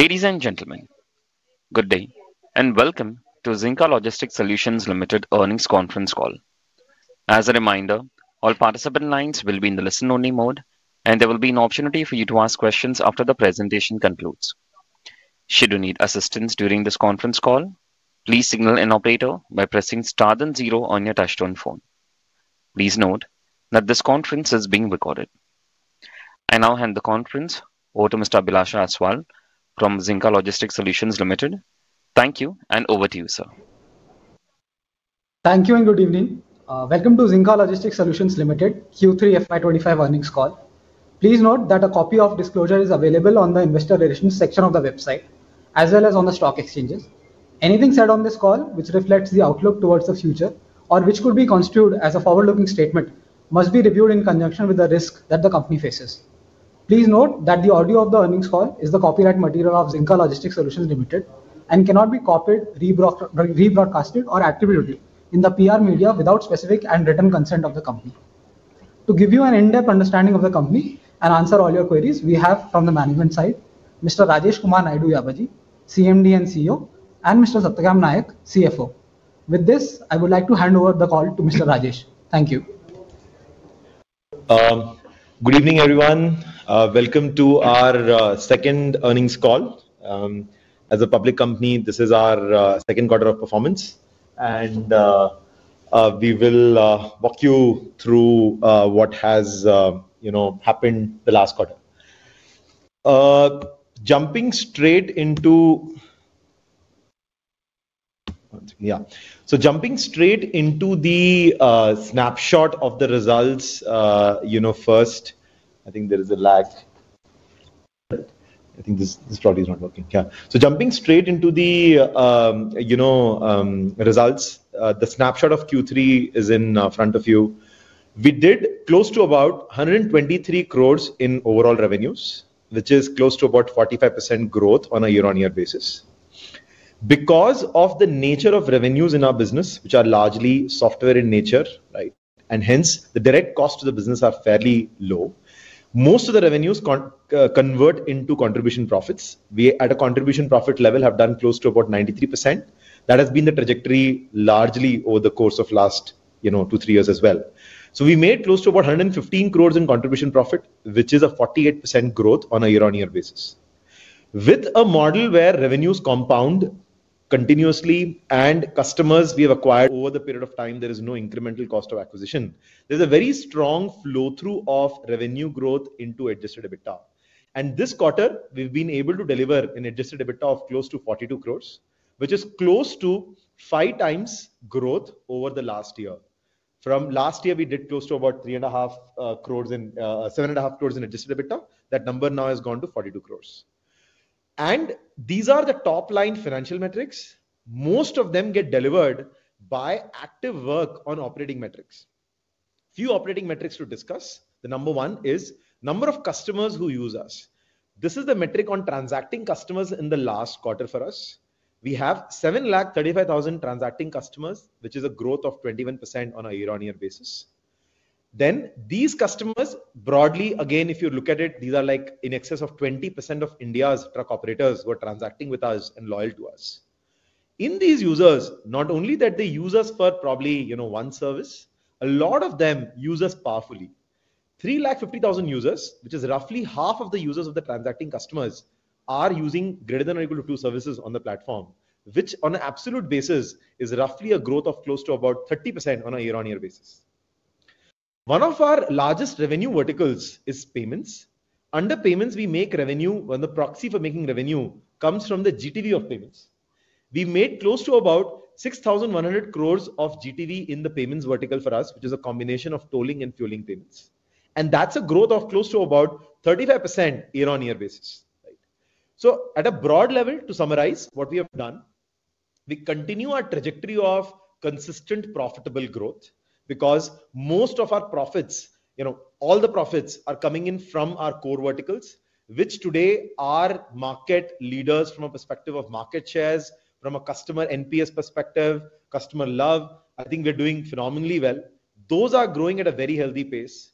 Ladies and gentlemen, good day and welcome to Zinka Logistics Solutions Limited earnings conference call. As a reminder, all participant lines will be in the listen-only mode, and there will be an opportunity for you to ask questions after the presentation concludes. Should you need assistance during this conference call, please signal an operator by pressing star then zero on your touch-tone phone. Please note that this conference is being recorded. I now hand the conference over to Mr. Abhilash Aswal from Zinka Logistics Solutions Limited. Thank you, and over to you, sir. Thank you and good evening. Welcome to Zinka Logistics Solutions Limited Q3 FY 2025 earnings call. Please note that a copy of disclosure is available on the investor relations section of the website, as well as on the stock exchanges. Anything said on this call, which reflects the outlook towards the future or which could be construed as a forward-looking statement, must be reviewed in conjunction with the risk that the company faces. Please note that the audio of the earnings call is the copyright material of Zinka Logistics Solutions Limited and cannot be copied, rebroadcasted, or attributed in the PR media without specific and written consent of the company. To give you an in-depth understanding of the company and answer all your queries, we have from the management side, Mr. Rajesh Kumar Naidu Yabaji, CMD and CEO, and Mr. Satyakam Naik, CFO. With this, I would like to hand over the call to Mr. Rajesh. Thank you. Good evening, everyone. Welcome to our second earnings call. As a public company, this is our second quarter of performance, and we will walk you through what has happened the last quarter. Jumping straight into the snapshot of the results, first, I think there is a lag. I think this probably is not working. So jumping straight into the results, the snapshot of Q3 is in front of you. We did close to about 123 crores in overall revenues, which is close to about 45% growth on a year-on-year basis. Because of the nature of revenues in our business, which are largely software in nature, and hence the direct costs to the business are fairly low, most of the revenues convert into contribution profits. We, at a contribution profit level, have done close to about 93%. That has been the trajectory largely over the course of the last two, three years as well, so we made close to 115 crores in contribution profit, which is a 48% growth on a year-on-year basis. With a model where revenues compound continuously and customers we have acquired. Over the period of time, there is no incremental cost of acquisition. There's a very strong flow-through of revenue growth into adjusted EBITDA, and this quarter, we've been able to deliver an adjusted EBITDA of close to 42 crores, which is close to five times growth over the last year. From last year, we did close to 7.5 crores in adjusted EBITDA. That number now has gone to 42 crores, and these are the top-line financial metrics. Most of them get delivered by active work on operating metrics. Few operating metrics to discuss. The number one is the number of customers who use us. This is the metric on transacting customers in the last quarter for us. We have 735,000 transacting customers, which is a growth of 21% on a year-on-year basis. Then these customers, broadly, again, if you look at it, these are in excess of 20% of India's truck operators who are transacting with us and loyal to us. In these users, not only that they use us for probably one service, a lot of them use us powerfully. 350,000 users, which is roughly half of the users of the transacting customers, are using greater than or equal to two services on the platform, which on an absolute basis is roughly a growth of close to about 30% on a year-on-year basis. One of our largest revenue verticals is payments. Under payments, we make revenue when the proxy for making revenue comes from the GTV of payments. We made close to about 6,100 crores of GTV in the payments vertical for us, which is a combination of tolling and fueling payments. And that's a growth of close to about 35% year-on-year basis. So at a broad level, to summarize what we have done, we continue our trajectory of consistent profitable growth because most of our profits, all the profits, are coming in from our core verticals, which today are market leaders from a perspective of market shares, from a customer NPS perspective, customer love. I think we're doing phenomenally well. Those are growing at a very healthy pace.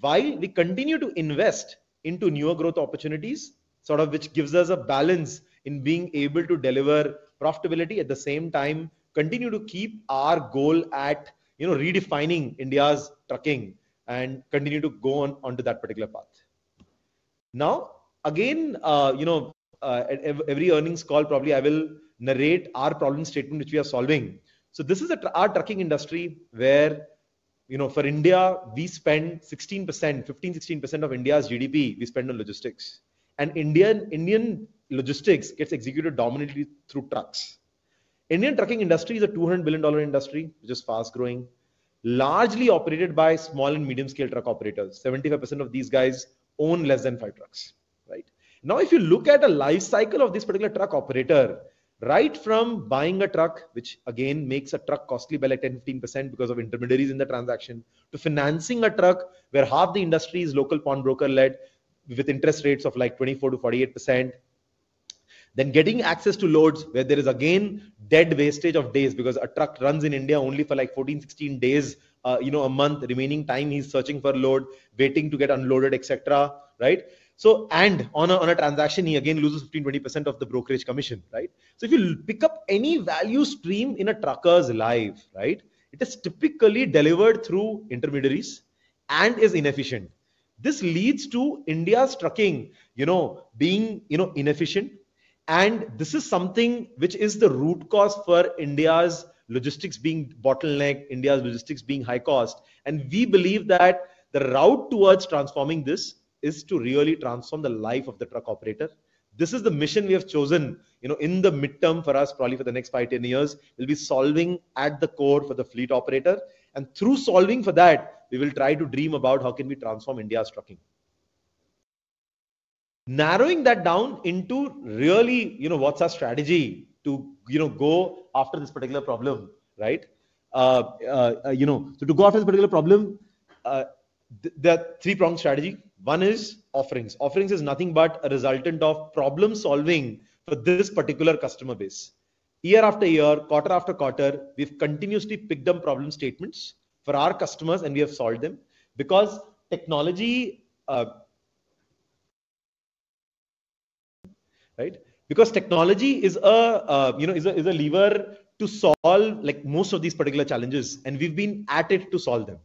While we continue to invest into newer growth opportunities, which gives us a balance in being able to deliver profitability at the same time, continue to keep our goal at redefining India's trucking and continue to go onto that particular path. Now, again, every earnings call, probably I will narrate our problem statement, which we are solving. So this is our trucking industry where for India, we spend 15% of India's GDP, we spend on logistics, and Indian logistics gets executed dominantly through trucks. Indian trucking industry is a $200 billion industry, which is fast growing, largely operated by small and medium-scale truck operators. 75% of these guys own less than five trucks. Now, if you look at the lifecycle of this particular truck operator, right from buying a truck, which again makes a truck costly by like 10%-15% because of intermediaries in the transaction, to financing a truck where half the industry is local pawnbroker-led with interest rates of like 24%-48%, then getting access to loads where there is again dead wastage of days because a truck runs in India only for like 14, 16 days a month, remaining time he's searching for load, waiting to get unloaded, et cetera, and on a transaction, he again loses 15%-20% of the brokerage commission, so if you pick up any value stream in a trucker's life, it is typically delivered through intermediaries and is inefficient. This leads to India's trucking being inefficient. And this is something which is the root cause for India's logistics being bottleneck, India's logistics being high cost. And we believe that the route towards transforming this is to really transform the life of the truck operator. This is the mission we have chosen in the midterm for us, probably for the next 5-10 years. We'll be solving at the core for the fleet operator. And through solving for that, we will try to dream about how can we transform India's trucking. Narrowing that down into really what's our strategy to go after this particular problem. To go after this particular problem, there are three-pronged strategy. One is offerings. Offerings is nothing but a resultant of problem-solving for this particular customer base. Year after year, quarter after quarter, we've continuously picked up problem statements for our customers, and we have solved them because technology is a lever to solve most of these particular challenges, and we've been at it to solve them.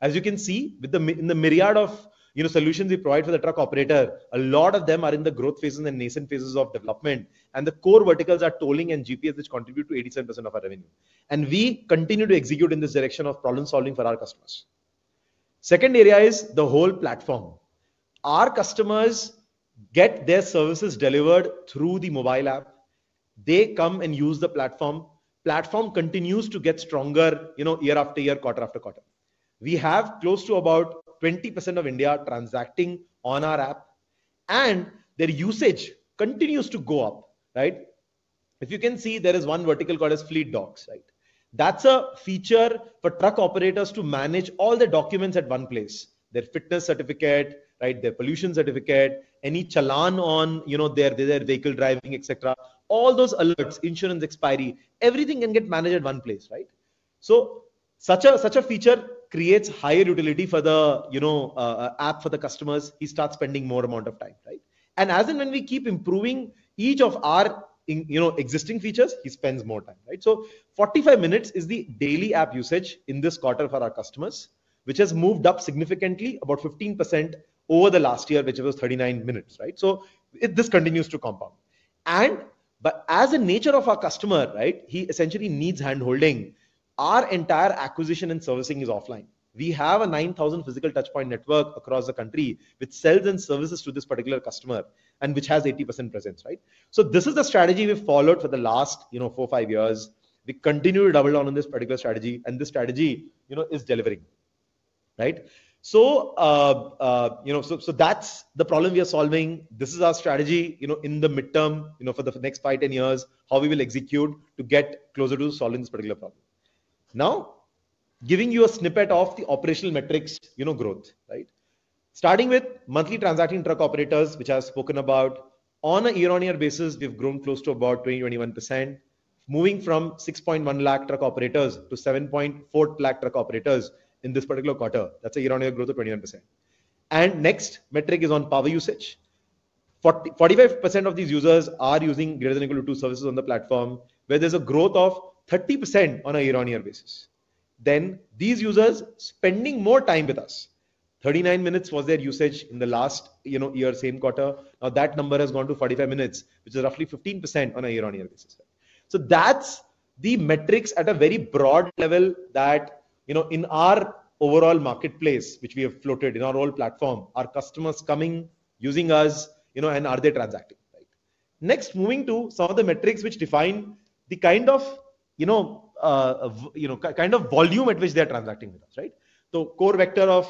As you can see, in the myriad of solutions we provide for the truck operator, a lot of them are in the growth phases and nascent phases of development, and the core verticals are tolling and GPS, which contribute to 87% of our revenue, and we continue to execute in this direction of problem-solving for our customers. Second area is the whole platform. Our customers get their services delivered through the mobile app. They come and use the platform. The platform continues to get stronger year after year, quarter after quarter. We have close to about 20% of India transacting on our app, and their usage continues to go up. If you can see, there is one vertical called FleetDocs. That's a feature for truck operators to manage all the documents at one place: their fitness certificate, their pollution certificate, any challan on their vehicle driving, et cetera. All those alerts, insurance expiry, everything can get managed at one place. So such a feature creates higher utility for the app for the customers. He starts spending more amount of time. And as and when we keep improving each of our existing features, he spends more time. So 45 minutes is the daily app usage in this quarter for our customers, which has moved up significantly, about 15% over the last year, which was 39 minutes. So this continues to compound. And as a nature of our customer, he essentially needs handholding. Our entire acquisition and servicing is offline. We have a 9,000 physical touchpoint network across the country which sells and services to this particular customer and which has 80% presence. So this is the strategy we've followed for the last four, five years. We continue to double down on this particular strategy. And this strategy is delivering. So that's the problem we are solving. This is our strategy in the midterm for the next five to 10 years, how we will execute to get closer to solving this particular problem. Now, giving you a snippet of the operational metrics growth. Starting with monthly transacting truck operators, which I've spoken about, on a year-on-year basis, we've grown close to about 20%-21%, moving from 6.1 lakh truck operators to 7.4 lakh truck operators in this particular quarter. That's a year-on-year growth of 21%. And next metric is on power usage. 45% of these users are using greater than or equal to two services on the platform, where there's a growth of 30% on a year-on-year basis. Then these users spending more time with us. 39 minutes was their usage in the last year, same quarter. Now that number has gone to 45 minutes, which is roughly 15% on a year-on-year basis. So that's the metrics at a very broad level that in our overall marketplace, which we have floated in our whole platform, our customers coming, using us, and are they transacting. Next, moving to some of the metrics which define the kind of volume at which they are transacting with us. The core vector of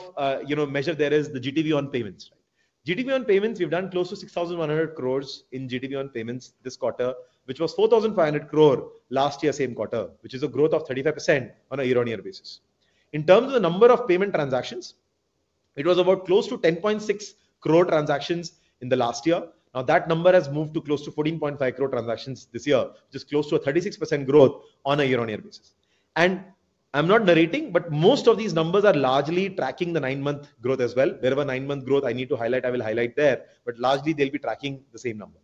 measure there is the GTV on payments. GTV on payments, we've done close to 6,100 crores in GTV on payments this quarter, which was 4,500 crore last year, same quarter, which is a growth of 35% on a year-on-year basis. In terms of the number of payment transactions, it was about close to 10.6 crore transactions in the last year. Now that number has moved to close to 14.5 crore transactions this year, which is close to a 36% growth on a year-on-year basis. And I'm not narrating, but most of these numbers are largely tracking the nine-month growth as well. Wherever nine-month growth, I need to highlight, I will highlight there. But largely, they'll be tracking the same number.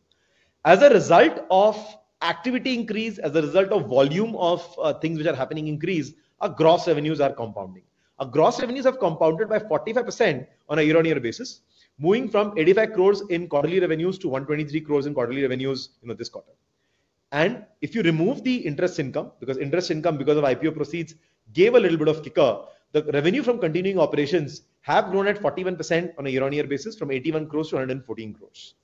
As a result of activity increase, as a result of volume of things which are happening increase, our gross revenues are compounding. Our gross revenues have compounded by 45% on a year-on-year basis, moving from 85 crores in quarterly revenues to 123 crores in quarterly revenues this quarter. And if you remove the interest income, because interest income because of IPO proceeds gave a little bit of kicker, the revenue from continuing operations have grown at 41% on a year-on-year basis from 81 crores to 114 crores.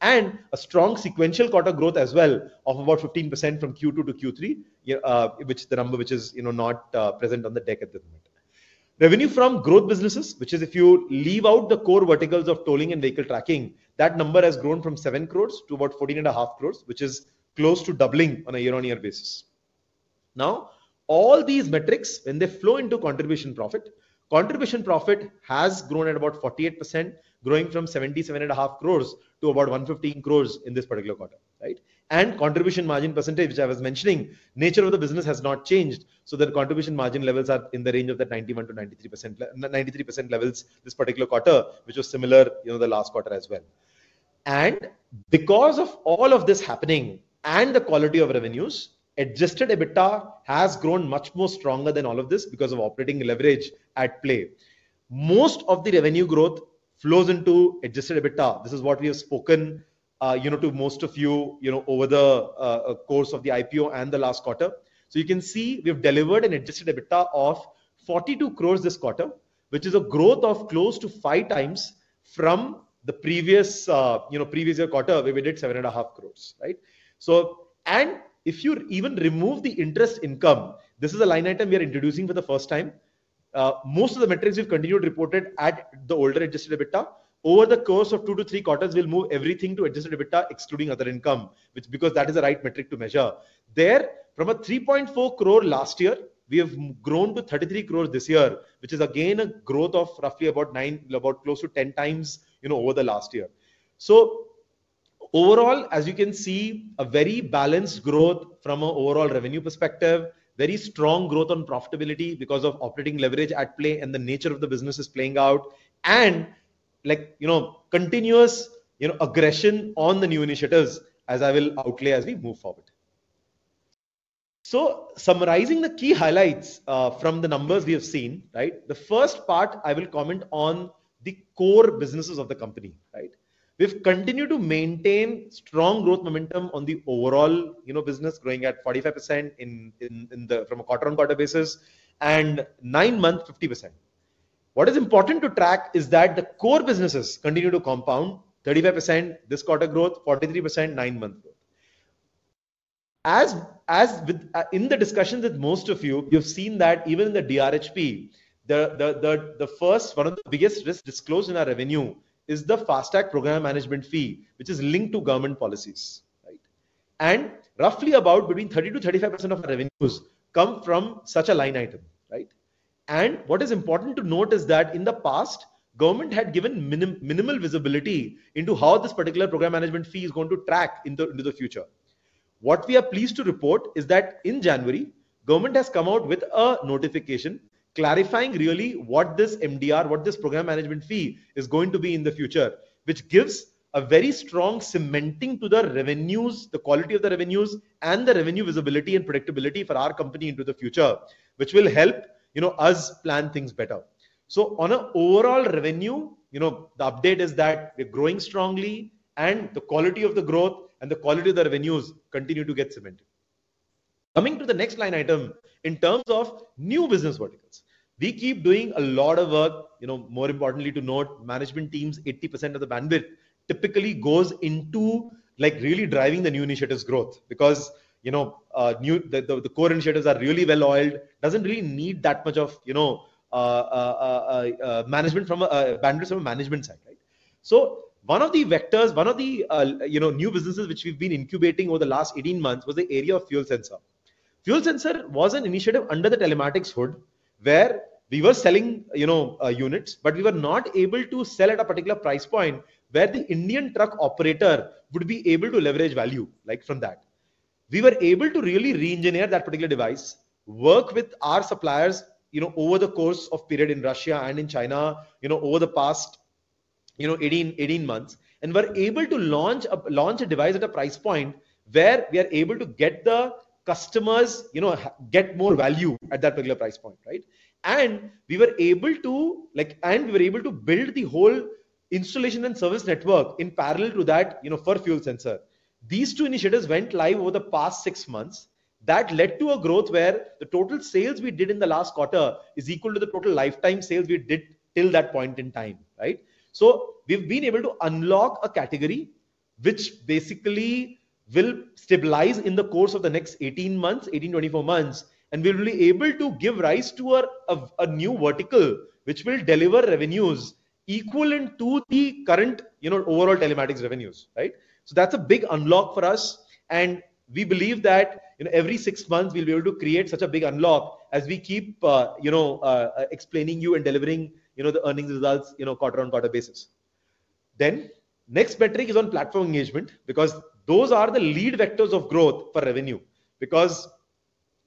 And a strong sequential quarter growth as well of about 15% from Q2 to Q3, which the number which is not present on the deck at the moment. Revenue from growth businesses, which is if you leave out the core verticals of tolling and vehicle tracking, that number has grown from 7 crores to about 14.5 crores, which is close to doubling on a year-on-year basis. Now, all these metrics, when they flow into contribution profit, contribution profit has grown at about 48%, growing from 77.5 crores to 115 crores in this particular quarter. And contribution margin percentage, which I was mentioning, nature of the business has not changed. So the contribution margin levels are in the range of the 91%-93% levels this particular quarter, which was similar the last quarter as well. And because of all of this happening and the quality of revenues, adjusted EBITDA has grown much more stronger than all of this because of operating leverage at play. Most of the revenue growth flows into adjusted EBITDA. This is what we have spoken to most of you over the course of the IPO and the last quarter. So you can see we have delivered an adjusted EBITDA of 42 crores this quarter, which is a growth of close to five times from the previous year quarter, where we did 7.5 crores. And if you even remove the interest income, this is a line item we are introducing for the first time. Most of the metrics we've continued reported at the older adjusted EBITDA. Over the course of two to three quarters, we'll move everything to adjusted EBITDA, excluding other income, because that is the right metric to measure. There, from a 3.4 crore last year, we have grown to 33 crores this year, which is again a growth of roughly about close to 10 times over the last year. So overall, as you can see, a very balanced growth from an overall revenue perspective, very strong growth on profitability because of operating leverage at play and the nature of the businesses playing out, and continuous aggression on the new initiatives, as I will outlay as we move forward. So summarizing the key highlights from the numbers we have seen, the first part I will comment on the core businesses of the company. We've continued to maintain strong growth momentum on the overall business, growing at 45% from a quarter-on-quarter basis and nine-month 50%. What is important to track is that the core businesses continue to compound 35% this quarter growth, 43% nine-month growth. In the discussions with most of you, you've seen that even in the DRHP, the first, one of the biggest risks disclosed in our revenue is the FASTag program management fee, which is linked to government policies, and roughly about between 30%-35% of our revenues come from such a line item. What is important to note is that in the past, government had given minimal visibility into how this particular program management fee is going to track into the future. What we are pleased to report is that in January, government has come out with a notification clarifying really what this MDR, what this program management fee is going to be in the future, which gives a very strong cementing to the revenues, the quality of the revenues, and the revenue visibility and predictability for our company into the future, which will help us plan things better. So on an overall revenue, the update is that we're growing strongly, and the quality of the growth and the quality of the revenues continue to get cemented. Coming to the next line item, in terms of new business verticals, we keep doing a lot of work. More importantly to note, management teams, 80% of the bandwidth typically goes into really driving the new initiatives' growth because the core initiatives are really well-oiled, doesn't really need that much of management from a bandwidth from a management side. So one of the vectors, one of the new businesses which we've been incubating over the last 18 months was the area of fuel sensor. Fuel sensor was an initiative under the telematics hood where we were selling units, but we were not able to sell at a particular price point where the Indian truck operator would be able to leverage value from that. We were able to really re-engineer that particular device, work with our suppliers over the course of period in Russia and in China over the past 18 months, and were able to launch a device at a price point where we are able to get the customers get more value at that particular price point, and we were able to build the whole installation and service network in parallel to that for fuel sensor. These two initiatives went live over the past six months. That led to a growth where the total sales we did in the last quarter is equal to the total lifetime sales we did till that point in time. So we've been able to unlock a category which basically will stabilize in the course of the next 18 months, 18-24 months, and we'll be able to give rise to a new vertical which will deliver revenues equal to the current overall telematics revenues. So that's a big unlock for us. And we believe that every six months, we'll be able to create such a big unlock as we keep explaining you and delivering the earnings results quarter-on-quarter basis. Then next metric is on platform engagement because those are the lead vectors of growth for revenue because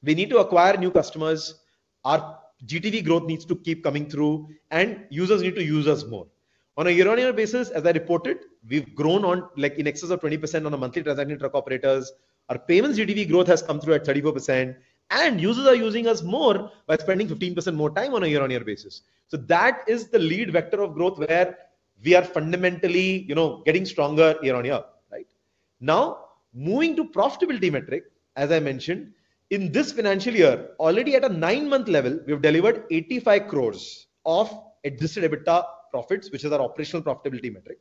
we need to acquire new customers, our GTV growth needs to keep coming through, and users need to use us more. On a year-on-year basis, as I reported, we've grown in excess of 20% on a monthly transacting truck operators. Our payments GTV growth has come through at 34%, and users are using us more by spending 15% more time on a year-on-year basis. So that is the lead vector of growth where we are fundamentally getting stronger year-on-year. Now, moving to profitability metric, as I mentioned, in this financial year, already at a nine-month level, we have delivered 85 crores of adjusted EBITDA profits, which is our operational profitability metric,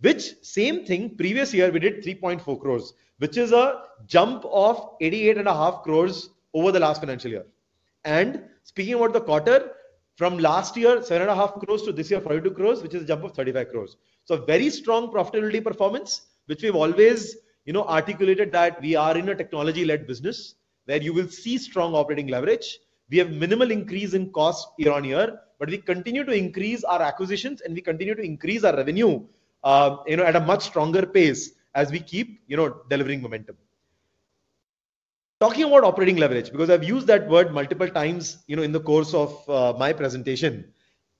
which same thing previous year we did 3.4 crores, which is a jump of 88.5 crores over the last financial year. Speaking about the quarter, from last year, 7.5 crores to this year, 42 crores, which is a jump of 35 crores. Very strong profitability performance, which we've always articulated that we are in a technology-led business where you will see strong operating leverage. We have minimal increase in cost year-on-year, but we continue to increase our acquisitions and we continue to increase our revenue at a much stronger pace as we keep delivering momentum. Talking about operating leverage, because I've used that word multiple times in the course of my presentation,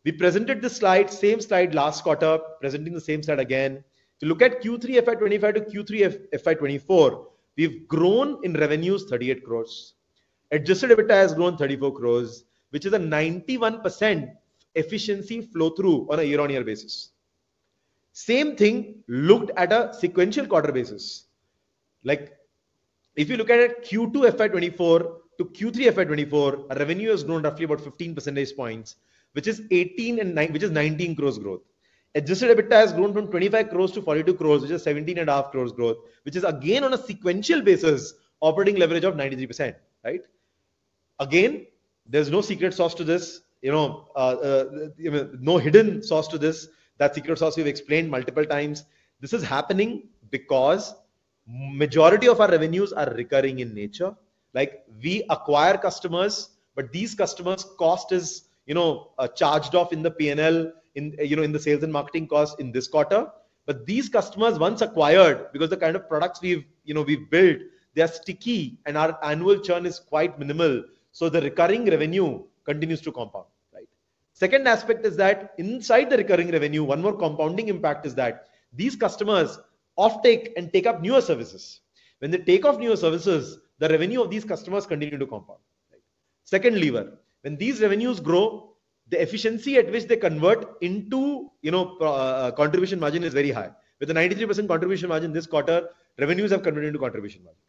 we presented the same slide last quarter, presenting the same slide again. To look at Q3 FY 2025 to Q3 FY 2024, we've grown in revenues 38 crores. Adjusted EBITDA has grown 34 crores, which is a 91% efficiency flow-through on a year-on-year basis. Same thing looked at a sequential quarter basis. If you look at Q2 FY 2024 to Q3 FY 2024, revenue has grown roughly about 15 percentage points, which is 19 crores growth. Adjusted EBITDA has grown from 25 crores to 42 crores, which is 17.5 crores growth, which is again on a sequential basis, operating leverage of 93%. Again, there's no secret sauce to this, no hidden sauce to this. That secret sauce we've explained multiple times. This is happening because majority of our revenues are recurring in nature. We acquire customers, but these customers' cost is charged off in the P&L, in the sales and marketing cost in this quarter. But these customers, once acquired, because the kind of products we've built, they are sticky and our annual churn is quite minimal. So the recurring revenue continues to compound. Second aspect is that inside the recurring revenue, one more compounding impact is that these customers offtake and take up newer services. When they take off newer services, the revenue of these customers continues to compound. Second lever, when these revenues grow, the efficiency at which they convert into contribution margin is very high. With a 93% contribution margin this quarter, revenues have converted into contribution margin.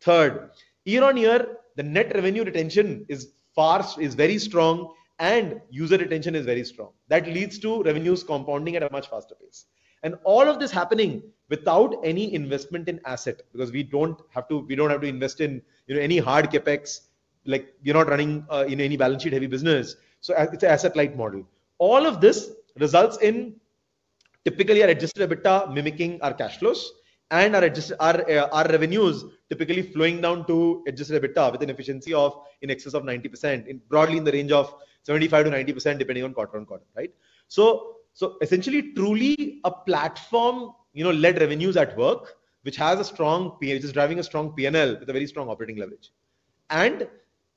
Third, year-on-year, the net revenue retention is very strong and user retention is very strong. That leads to revenues compounding at a much faster pace. And all of this happening without any investment in asset because we don't have to invest in any hard CapEx. You're not running in any balance sheet heavy business. So it's an asset-light model. All of this results in typically our adjusted EBITDA mimicking our cash flows and our revenues typically flowing down to adjusted EBITDA with an efficiency of in excess of 90%, broadly in the range of 75%-90% depending on quarter-on-quarter. Essentially, truly a platform-led revenues at work, which is driving a strong P&L with a very strong operating leverage.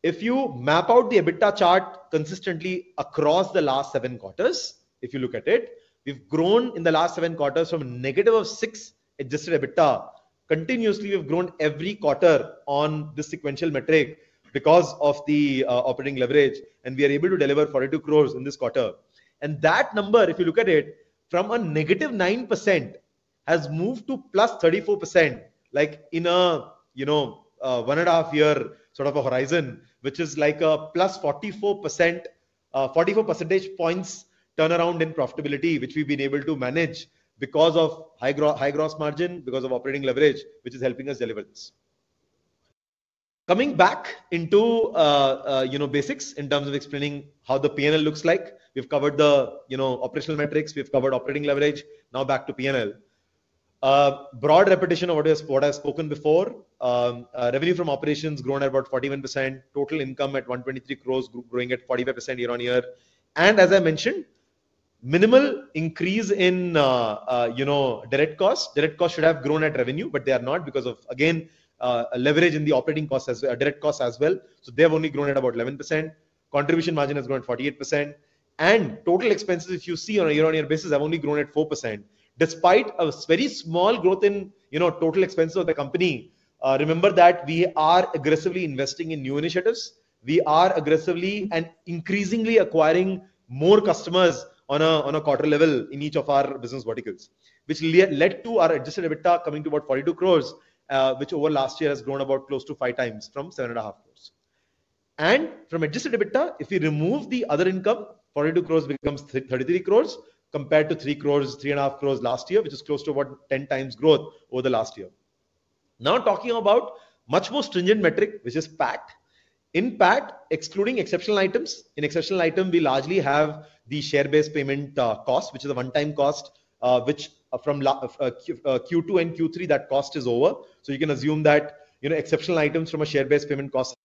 If you map out the adjusted EBITDA chart consistently across the last seven quarters, if you look at it, we've grown in the last seven quarters from a negative of six adjusted EBITDA. Continuously, we've grown every quarter on the sequential metric because of the operating leverage, and we are able to deliver 42 crores in this quarter. And that number, if you look at it, from a -9% has moved to +34% in a one and a half year sort of a horizon, which is like a plus 44 percentage points turnaround in profitability, which we've been able to manage because of high gross margin, because of operating leverage, which is helping us deliver this. Coming back into basics in terms of explaining how the P&L looks like. We've covered the operational metrics. We've covered operating leverage. Now back to P&L. Broad repetition of what I've spoken before. Revenue from operations grown at about 41%. Total income at 123 crores growing at 45% year-on-year, and as I mentioned, minimal increase in direct cost. Direct cost should have grown at revenue, but they are not because of, again, leverage in the operating costs as direct costs as well. So they have only grown at about 11%. Contribution margin has grown at 48%, and total expenses, if you see on a year-on-year basis, have only grown at 4%. Despite a very small growth in total expenses of the company, remember that we are aggressively investing in new initiatives. We are aggressively and increasingly acquiring more customers on a quarter level in each of our business verticals, which led to our adjusted EBITDA coming to about 42 crores, which over last year has grown about close to five times from 7.5 crores. And from adjusted EBITDA, if we remove the other income, 42 crores becomes 33 crores compared to 3 crores, 3.5 crores last year, which is close to about 10 times growth over the last year. Now talking about much more stringent metric, which is PAT. In PAT, excluding exceptional items, in exceptional item, we largely have the share-based payment cost, which is a one-time cost, which from Q2 and Q3, that cost is over. So you can assume that exceptional items from a share-based payment cost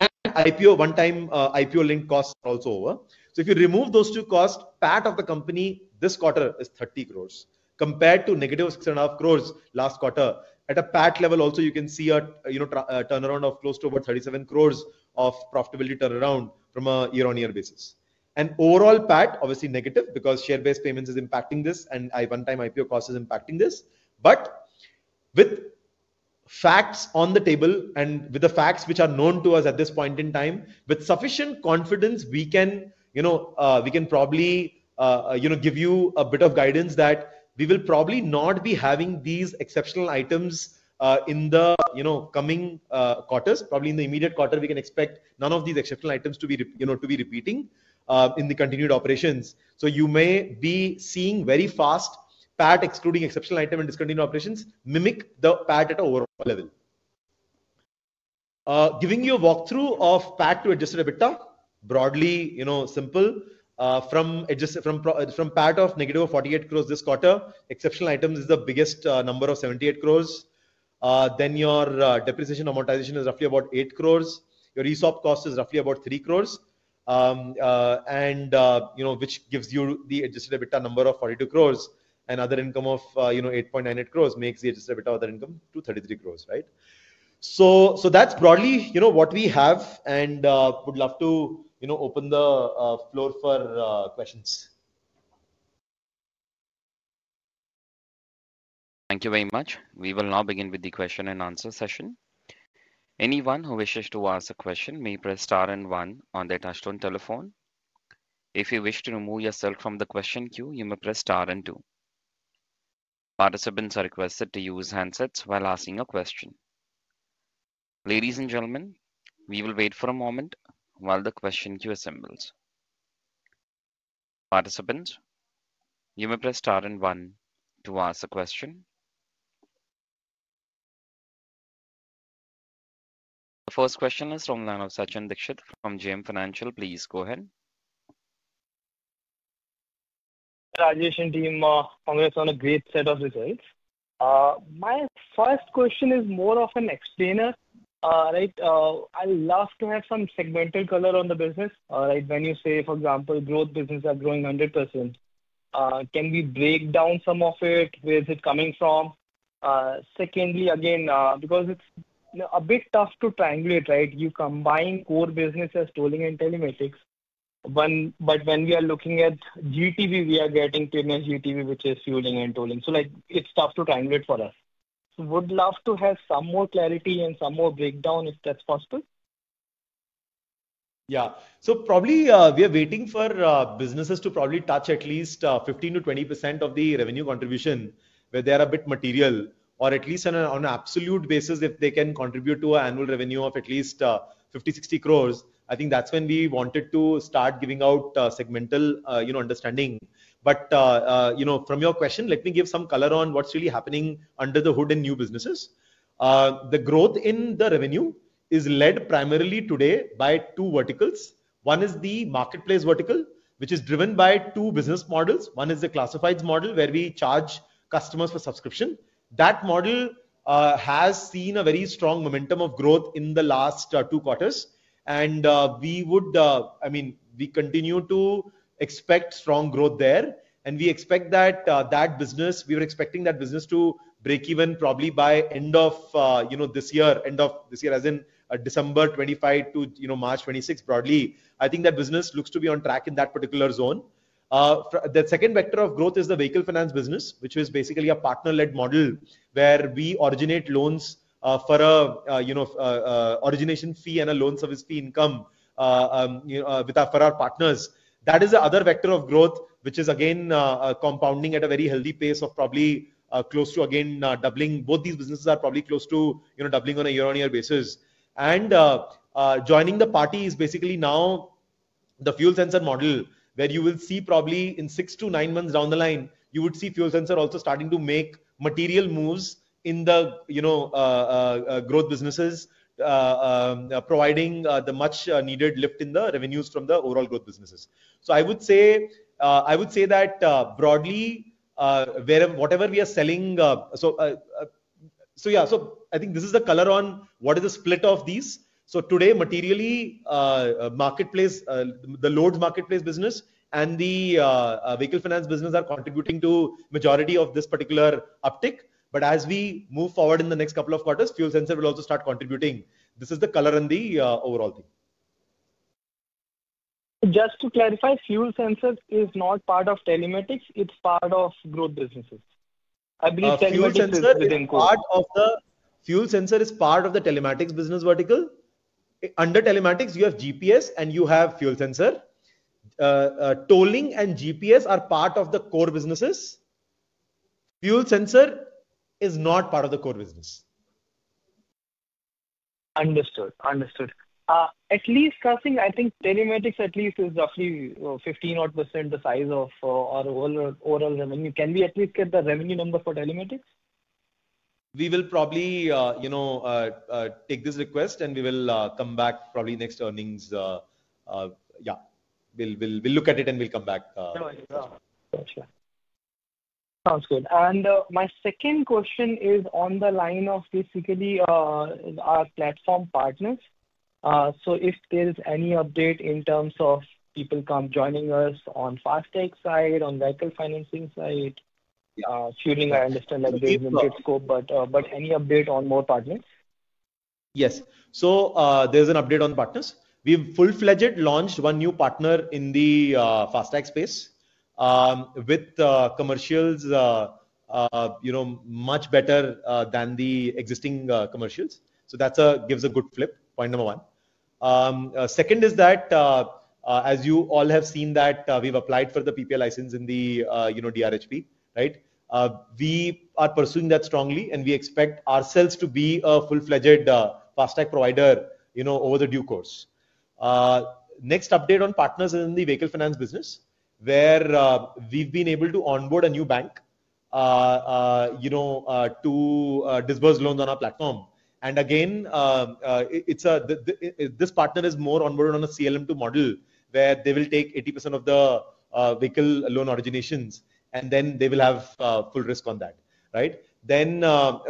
and IPO one-time IPO link cost are also over. So if you remove those two costs, PAT of the company this quarter is 30 crores compared to negative 6.5 crores last quarter. At a PAT level, also, you can see a turnaround of close to about 37 crores of profitability turnaround from a year-on-year basis. And overall PAT, obviously negative because share-based payments is impacting this and one-time IPO cost is impacting this. But with facts on the table and with the facts which are known to us at this point in time, with sufficient confidence, we can probably give you a bit of guidance that we will probably not be having these exceptional items in the coming quarters. Probably in the immediate quarter, we can expect none of these exceptional items to be repeating in the continued operations. So you may be seeing very fast PAT excluding exceptional item and discontinued operations mimic the PAT at an overall level. Giving you a walkthrough of PAT to adjusted EBITDA, broadly simple. From PAT of -48 crores this quarter, exceptional items is the biggest number of 78 crores. Then your depreciation amortization is roughly about 8 crores. Your ESOP cost is roughly about 3 crores, which gives you the adjusted EBITDA number of 42 crores. And other income of 8.98 crores makes the adjusted EBITDA other income to 33 crores. So that's broadly what we have and would love to open the floor for questions. Thank you very much. We will now begin with the question and answer session. Anyone who wishes to ask a question may press star and one on their touch-tone telephone. If you wish to remove yourself from the question queue, you may press star and two. Participants are requested to use handsets while asking a question. Ladies and gentlemen, we will wait for a moment while the question queue assembles. Participants, you may press star and one to ask a question. The first question is from Sachin Dixit from JM Financial. Please go ahead. Rajesh and team, congrats on a great set of results. My first question is more of an explainer. I'd love to have some segmental color on the business. When you say, for example, growth business are growing 100%, can we break down some of it? Where is it coming from? Secondly, again, because it's a bit tough to triangulate. You combine core business as tolling and telematics, but when we are looking at GTV, we are getting telematics GTV, which is fueling and tolling. It's tough to triangulate for us. Would love to have some more clarity and some more breakdown if that's possible. Yeah. Probably we are waiting for businesses to probably touch at least 15%-20% of the revenue contribution where they are a bit material, or at least on an absolute basis, if they can contribute to an annual revenue of at least 50 crores-60 crores. I think that's when we wanted to start giving out segmental understanding. But from your question, let me give some color on what's really happening under the hood in new businesses. The growth in the revenue is led primarily today by two verticals. One is the marketplace vertical, which is driven by two business models. One is the classifieds model where we charge customers for subscription. That model has seen a very strong momentum of growth in the last two quarters. We would, I mean, we continue to expect strong growth there. We expect that that business, we were expecting that business to break even probably by end of this year, end of this year, as in December 2025 to March 2026, broadly. I think that business looks to be on track in that particular zone. The second vector of growth is the vehicle finance business, which is basically a partner-led model where we originate loans for an origination fee and a loan service fee income for our partners. That is the other vector of growth, which is again compounding at a very healthy pace of probably close to again doubling. Both these businesses are probably close to doubling on a year-on-year basis. Joining the party is basically now the fuel sensor model where you will see probably in six to nine months down the line, you would see fuel sensor also starting to make material moves in the growth businesses, providing the much-needed lift in the revenues from the overall growth businesses. So I would say that broadly, whatever we are selling, so yeah, so I think this is the color on what is the split of these. So today, materially, the loads marketplace business and the vehicle finance business are contributing to the majority of this particular uptick. But as we move forward in the next couple of quarters, fuel sensor will also start contributing. This is the color in the overall thing. Just to clarify, fuel sensor is not part of telematics, it's part of growth businesses? I believe telematics is part of the- Fuel sensor is part of the telematics business vertical. Under telematics, you have GPS and you have fuel sensor. Tolling and GPS are part of the core businesses. Fuel sensor is not part of the core business. Understood. Understood. At least, I think telematics at least is roughly 15% the size of our overall revenue. Can we at least get the revenue number for telematics? We will probably take this request and we will come back probably next earnings. Yeah. We'll look at it and we'll come back. Gotcha. Sounds good. And my second question is on the line of basically our platform partners. So if there's any update in terms of people come joining us on FASTag side, on vehicle financing side, fueling, I understand that there's limited scope, but any update on more partners? Yes. So there's an update on partners. We've full-fledged launched one new partner in the FASTag space with commercials much better than the existing commercials, so that gives a good flip, point number one. Second is that as you all have seen that we've applied for the PPI license in the DRHP, we are pursuing that strongly and we expect ourselves to be a full-fledged FASTag provider in due course. Next update on partners is in the vehicle finance business where we've been able to onboard a new bank to disburse loans on our platform. And again, this partner is more onboarded on a CLM-2 model where they will take 80% of the vehicle loan originations and then they will have full risk on that.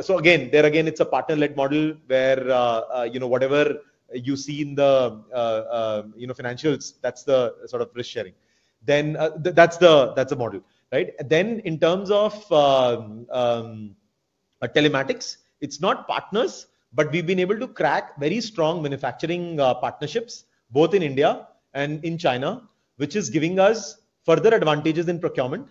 So again, there again, it's a partner-led model where whatever you see in the financials, that's the sort of risk sharing. Then that's the model. Then in terms of telematics, it's not partners, but we've been able to crack very strong manufacturing partnerships both in India and in China, which is giving us further advantages in procurement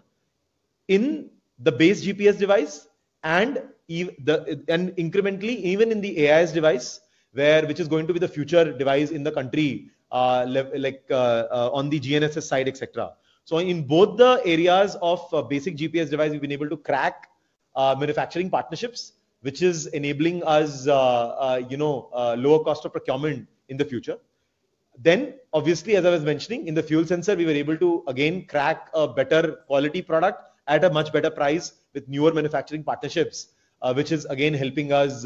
in the base GPS device and incrementally even in the AIS device, which is going to be the future device in the country on the GNSS side, etc. So in both the areas of basic GPS device, we've been able to crack manufacturing partnerships, which is enabling us lower cost of procurement in the future. Then obviously, as I was mentioning, in the fuel sensor, we were able to again crack a better quality product at a much better price with newer manufacturing partnerships, which is again helping us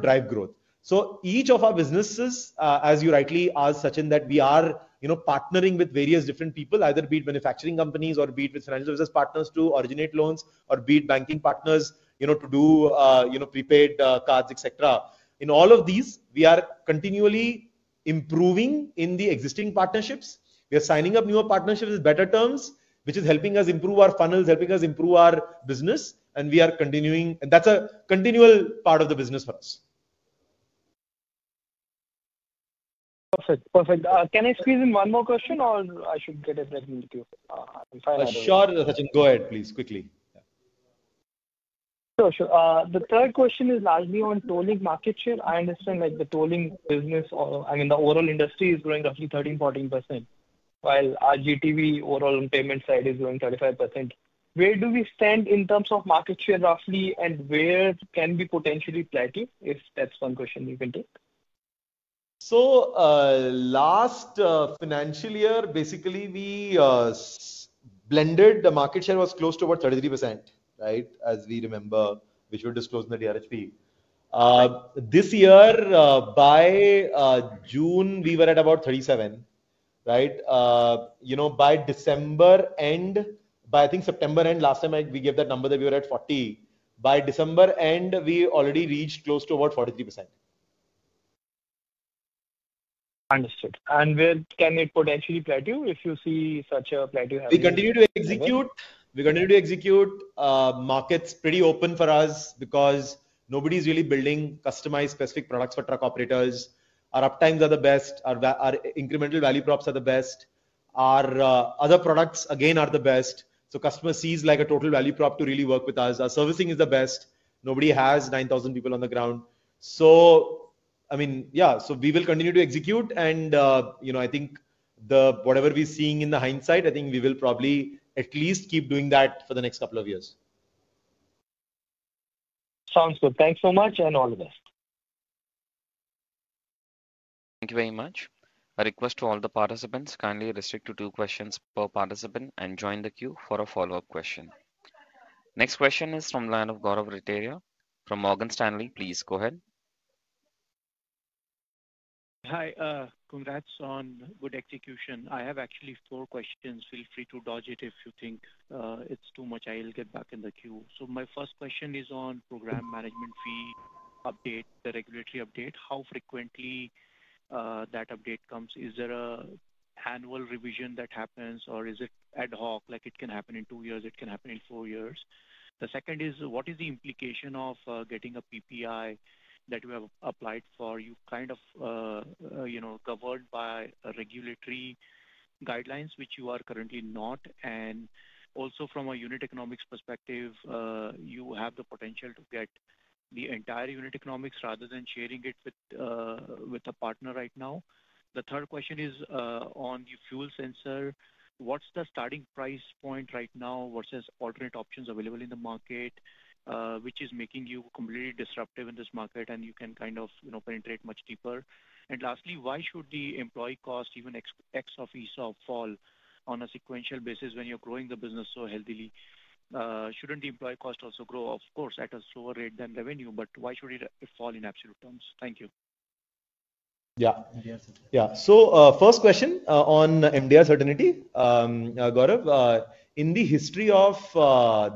drive growth. So each of our businesses, as you rightly asked, Sachin, that we are partnering with various different people, either be it manufacturing companies or be it with financial business partners to originate loans or be it banking partners to do prepaid cards, etc. In all of these, we are continually improving in the existing partnerships. We are signing up newer partnerships with better terms, which is helping us improve our funnels, helping us improve our business, and we are continuing, and that's a continual part of the business for us. Perfect. Perfect. Can I squeeze in one more question or I should get it ready with you? Sure, Sachin. Go ahead, please, quickly. Sure. Sure. The third question is largely on tolling market share. I understand the tolling business, I mean, the overall industry is growing roughly 13%-14%, while our GTV overall payment side is growing 35%. Where do we stand in terms of market share roughly and where can we potentially plateau? If that's one question you can take. So last financial year, basically, we blended the market share was close to about 33%, as we remember, which we disclosed in the DRHP. This year, by June, we were at about 37%. By December end, by I think September end, last time we gave that number that we were at 40%. By December end, we already reached close to about 43%. Understood. And where can it potentially plateau if you see such a plateau happening? We continue to execute. We continue to execute. Market's pretty open for us because nobody's really building customized specific products for truck operators. Our uptimes are the best. Our incremental value props are the best. Our other products, again, are the best. So customer sees like a total value prop to really work with us. Our servicing is the best. Nobody has 9,000 people on the ground. So I mean, yeah, so we will continue to execute. And I think whatever we're seeing in the hindsight, I think we will probably at least keep doing that for the next couple of years. Sounds good. Thanks so much and all the best. Thank you very much. A request to all the participants, kindly restrict to two questions per participant and join the queue for a follow-up question. Next question is from Gaurav Rateria from Morgan Stanley, please go ahead. Hi. Congrats on good execution. I have actually four questions. Feel free to dodge it if you think it's too much. I'll get back in the queue. So my first question is on program management fee update, the regulatory update. How frequently that update comes? Is there an annual revision that happens or is it ad hoc? It can happen in two years. It can happen in four years. The second is, what is the implication of getting a PPI that you have applied for? You've kind of covered by regulatory guidelines, which you are currently not. And also from a unit economics perspective, you have the potential to get the entire unit economics rather than sharing it with a partner right now. The third question is on the fuel sensor. What's the starting price point right now versus alternate options available in the market, which is making you completely disruptive in this market and you can kind of penetrate much deeper? And lastly, why should the employee cost, even ex of ESOP, fall on a sequential basis when you're growing the business so healthily? Shouldn't the employee cost also grow, of course, at a slower rate than revenue, but why should it fall in absolute terms? Thank you. Yeah. Yeah. So first question on MDR certainty, Gaurav, in the history of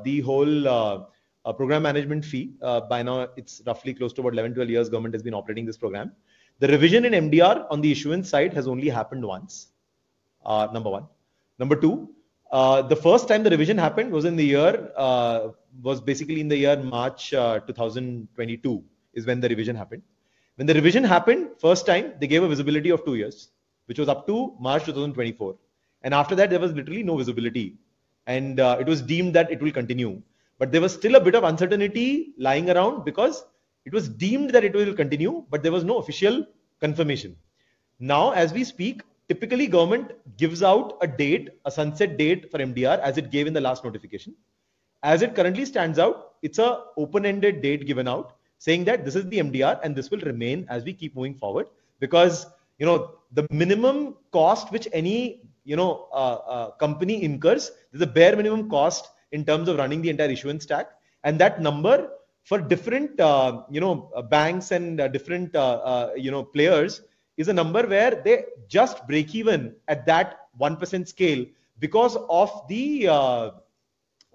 the whole program management fee, by now it's roughly close to about 11-12 years government has been operating this program. The revision in MDR on the issuance side has only happened once, number one. Number two, the first time the revision happened was in the year, was basically in the year March 2022 is when the revision happened. When the revision happened, first time, they gave a visibility of two years, which was up to March 2024. And after that, there was literally no visibility. And it was deemed that it will continue. But there was still a bit of uncertainty lying around because it was deemed that it will continue, but there was no official confirmation. Now, as we speak, typically government gives out a date, a sunset date for MDR as it gave in the last notification. As it currently stands out, it's an open-ended date given out saying that this is the MDR and this will remain as we keep moving forward because the minimum cost which any company incurs, there's a bare minimum cost in terms of running the entire issuance stack. And that number for different banks and different players is a number where they just break even at that 1% scale because of the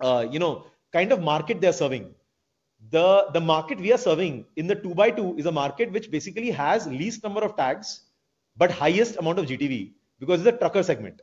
kind of market they're serving. The market we are serving in the 2x2 is a market which basically has least number of tags but highest amount of GTV because it's a trucker segment.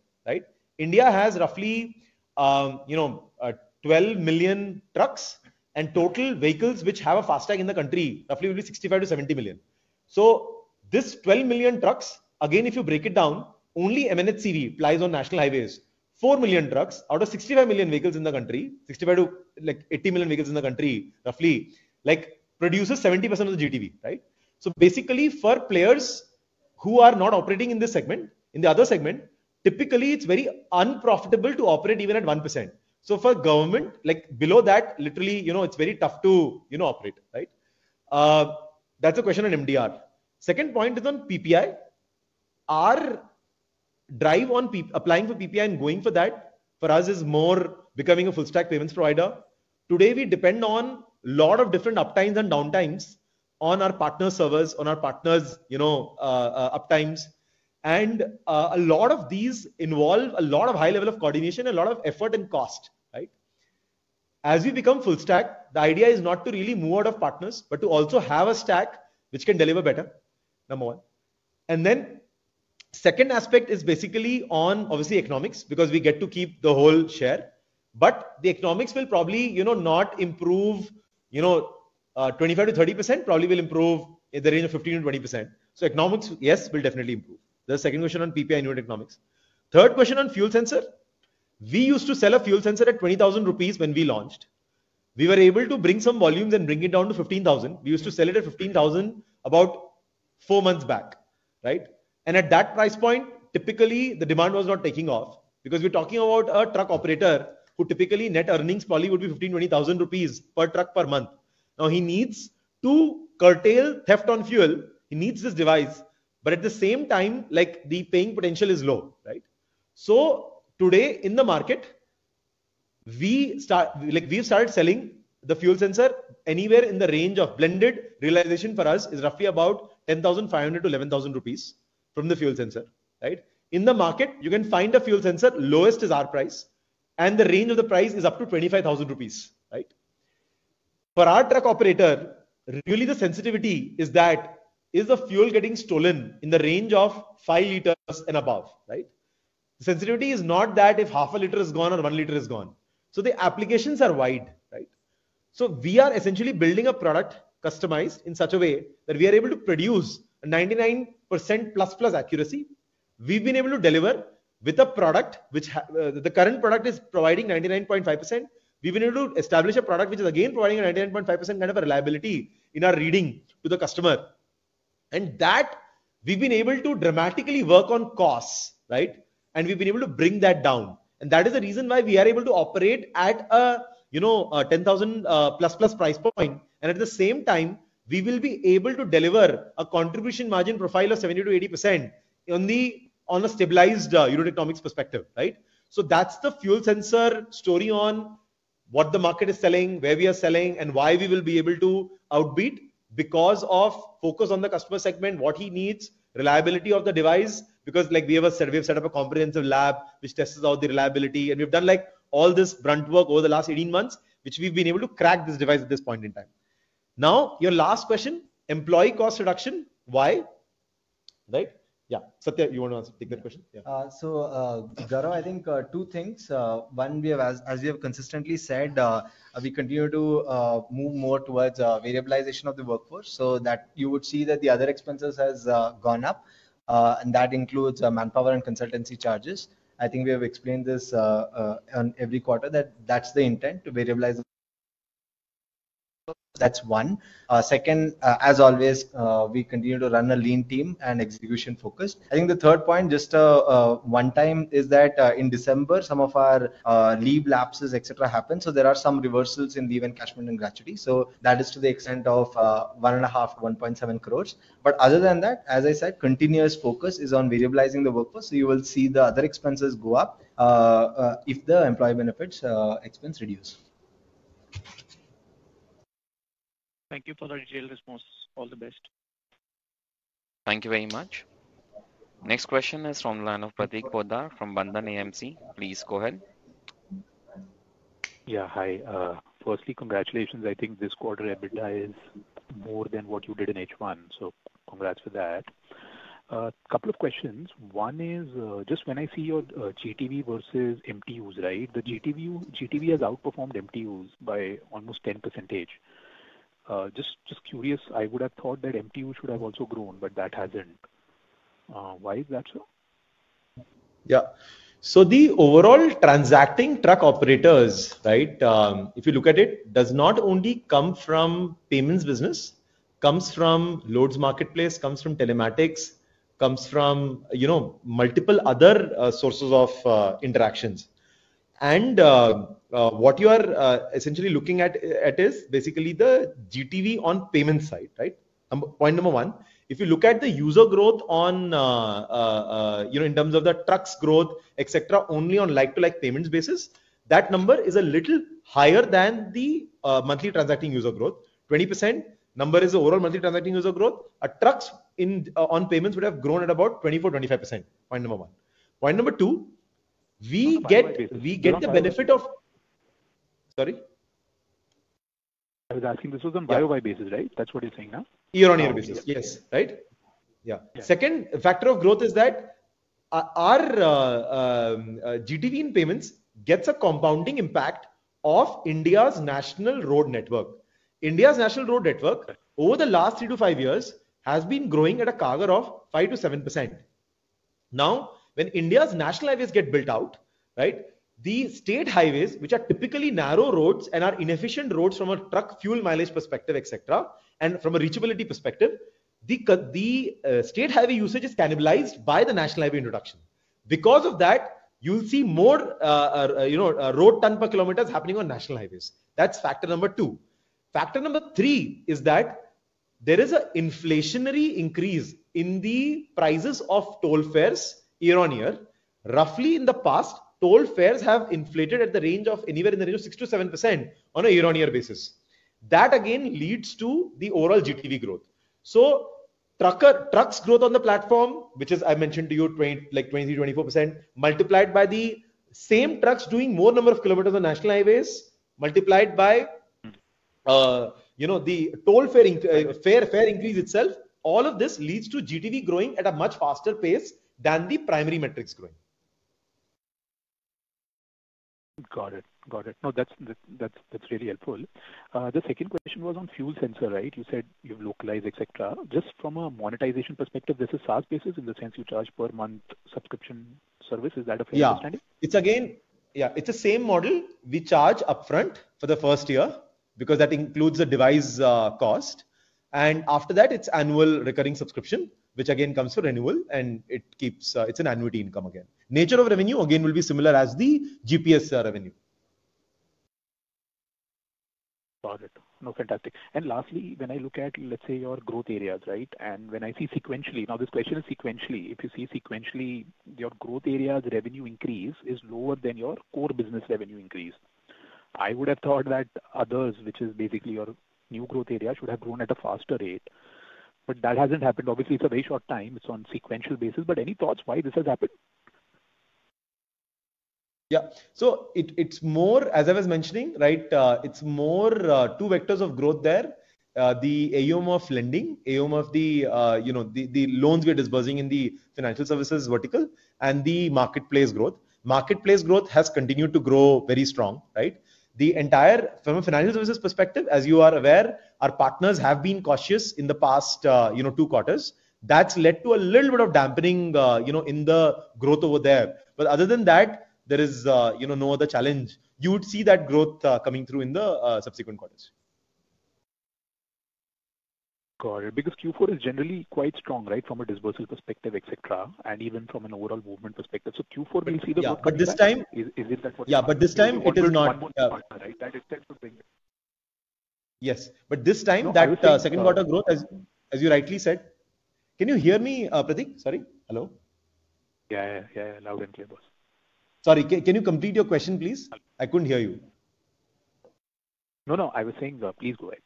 India has roughly 12 million trucks and total vehicles which have a FASTag in the country roughly will be 65-70 million. So this 12 million trucks, again, if you break it down, only M&HCV applies on national highways. 4 million trucks out of 65 million vehicles in the country, 65-80 million vehicles in the country roughly produces 70% of the GTV. So basically for players who are not operating in this segment, in the other segment, typically it's very unprofitable to operate even at 1%. So for government, below that, literally it's very tough to operate. That's a question on MDR. Second point is on PPI. Our drive on applying for PPI and going for that for us is more becoming a full-stack payments provider. Today, we depend on a lot of different uptimes and downtimes on our partner servers, on our partners' uptimes. A lot of these involve a lot of high level of coordination, a lot of effort and cost. As we become full-stack, the idea is not to really move out of partners, but to also have a stack which can deliver better, number one. And then second aspect is basically on, obviously, economics because we get to keep the whole share. But the economics will probably not improve 25%-30%, probably will improve in the range of 15%-20%. So economics, yes, will definitely improve. That's the second question on PPI and unit economics. Third question on fuel sensor. We used to sell a fuel sensor at 20,000 rupees when we launched. We were able to bring some volumes and bring it down to 15,000. We used to sell it at 15,000 about four months back. At that price point, typically the demand was not taking off because we're talking about a truck operator who typically net earnings probably would be 15,000 rupees, 20,000 rupees per truck per month. Now he needs to curtail theft on fuel. He needs this device. At the same time, the paying potential is low. Today in the market, we've started selling the fuel sensor anywhere in the range of blended realization for us is roughly about 10,500-11,000 rupees from the fuel sensor. In the market, you can find a fuel sensor lowest is our price. And the range of the price is up to 25,000 rupees. For our truck operator, really the sensitivity is that is the fuel getting stolen in the range of five liters and above. The sensitivity is not that if half a liter is gone or one liter is gone. The applications are wide. We are essentially building a product customized in such a way that we are able to produce a 99%+ accuracy. We've been able to deliver with a product which the current product is providing 99.5%. We've been able to establish a product which is again providing a 99.5% kind of reliability in our reading to the customer. And that we've been able to dramatically work on costs. And we've been able to bring that down. And that is the reason why we are able to operate at a 10,000+ price point. And at the same time, we will be able to deliver a contribution margin profile of 70%-80% on a stabilized unit economics perspective. So that's the fuel sensor story on what the market is selling, where we are selling, and why we will be able to outperform because of focus on the customer segment, what he needs, reliability of the device. Because like we have said, we've set up a comprehensive lab which tests out the reliability. And we've done all this grunt work over the last 18 months, which we've been able to crack this device at this point in time. Now, your last question, employee cost reduction, why? Yeah. Satyakam, you want to answer, take that question. So Gaurav, I think two things. One, as you have consistently said, we continue to move more towards variabilization of the workforce so that you would see that the other expenses has gone up. And that includes manpower and consultancy charges. I think we have explained this on every quarter, that that's the intent to variabilize. That's one. Second, as always, we continue to run a lean team and execution-focused. I think the third point, just one-time, is that in December, some of our leave lapses, etc., happened. So there are some reversals in leave and encashment and gratuity. So that is to the extent of 1.5 crores-1.7 crores, but other than that, as I said, continuous focus is on variabilizing the workforce, so you will see the other expenses go up if the employee benefits expense reduces. Thank you for the detailed response. All the best. Thank you very much. Next question is from Prateek Poddar from Bandhan AMC. Please go ahead. Yeah, hi. Firstly, congratulations. I think this quarter EBITDA is more than what you did in H1, so congrats for that. A couple of questions. One is just when I see your GTV versus MTUs, right? The GTV has outperformed MTUs by almost 10%. Just curious, I would have thought that MTUs should have also grown, but that hasn't. Why is that so? Yeah, so the overall transacting truck operators, if you look at it, does not only come from payments business, comes from loads marketplace, comes from telematics, comes from multiple other sources of interactions, and what you are essentially looking at is basically the GTV on payment side. Point number one, if you look at the user growth in terms of the trucks growth, etc., only on like-for-like payments basis, that number is a little higher than the monthly transacting user growth. 20% number is the overall monthly transacting user growth. A truck on payments would have grown at about 24%-25%. Point number one. Point number two, we get the benefit of, sorry? I was asking this was on Y-o-Y basis, right? That's what you're saying now? Year-on-year basis, yes. Right? Yeah. Second factor of growth is that our GTV in payments gets a compounding impact of India's national road network. India's national road network over the last three to five years has been growing at a CAGR of 5%-7%. Now, when India's national highways get built out, the state highways, which are typically narrow roads and are inefficient roads from a truck fuel mileage perspective, etc., and from a reachability perspective, the state highway usage is cannibalized by the national highway introduction. Because of that, you'll see more road ton per kilometer happening on national highways. That's factor number two. Factor number three is that there is an inflationary increase in the prices of toll fares year-on-year. Roughly in the past, toll fares have inflated at the range of anywhere in the range of 6%-7% on a year-on-year basis. That again leads to the overall GTV growth. So trucks growth on the platform, which I mentioned to you, 23%-24%, multiplied by the same trucks doing more number of kilometers on national highways, multiplied by the toll fare increase itself, all of this leads to GTV growing at a much faster pace than the primary metrics growing. Got it. Got it. No, that's really helpful. The second question was on fuel sensor, right? You said you've localized, etc. Just from a monetization perspective, this is SaaS basis in the sense you charge per month subscription service. Is that a fair understanding? Yeah. It's again, yeah, it's the same model. We charge upfront for the first year because that includes the device cost. And after that, it's annual recurring subscription, which again comes to renewal, and it's an annuity income again. Nature of revenue again will be similar as the GPS revenue. Got it. No, fantastic. And lastly, when I look at, let's say, your growth areas, right? And when I see sequentially, now this question is sequentially. If you see sequentially, your growth areas revenue increase is lower than your core business revenue increase. I would have thought that others, which is basically your new growth area, should have grown at a faster rate. But that hasn't happened. Obviously, it's a very short time. It's on sequential basis. But any thoughts why this has happened? Yeah. So it's more, as I was mentioning, right? It's more two vectors of growth there. The AUM of lending, AUM of the loans we are disbursing in the financial services vertical, and the marketplace growth. Marketplace growth has continued to grow very strong. The entire, from a financial services perspective, as you are aware, our partners have been cautious in the past two quarters. That's led to a little bit of dampening in the growth over there. But other than that, there is no other challenge. You would see that growth coming through in the subsequent quarters. Got it. Because Q4 is generally quite strong, right, from a disbursal perspective, etc., and even from an overall movement perspective. So Q4, we'll see the— but this time, is it that—yeah, but this time it is not—right? That it tends to bring it. Yes. But this time, that second quarter growth, as you rightly said. Can you hear me, Prateek? Sorry? Hello? Yeah, yeah, yeah. Now you can hear me? Sorry, can you complete your question, please? I couldn't hear you. No, no. I was saying, please go ahead.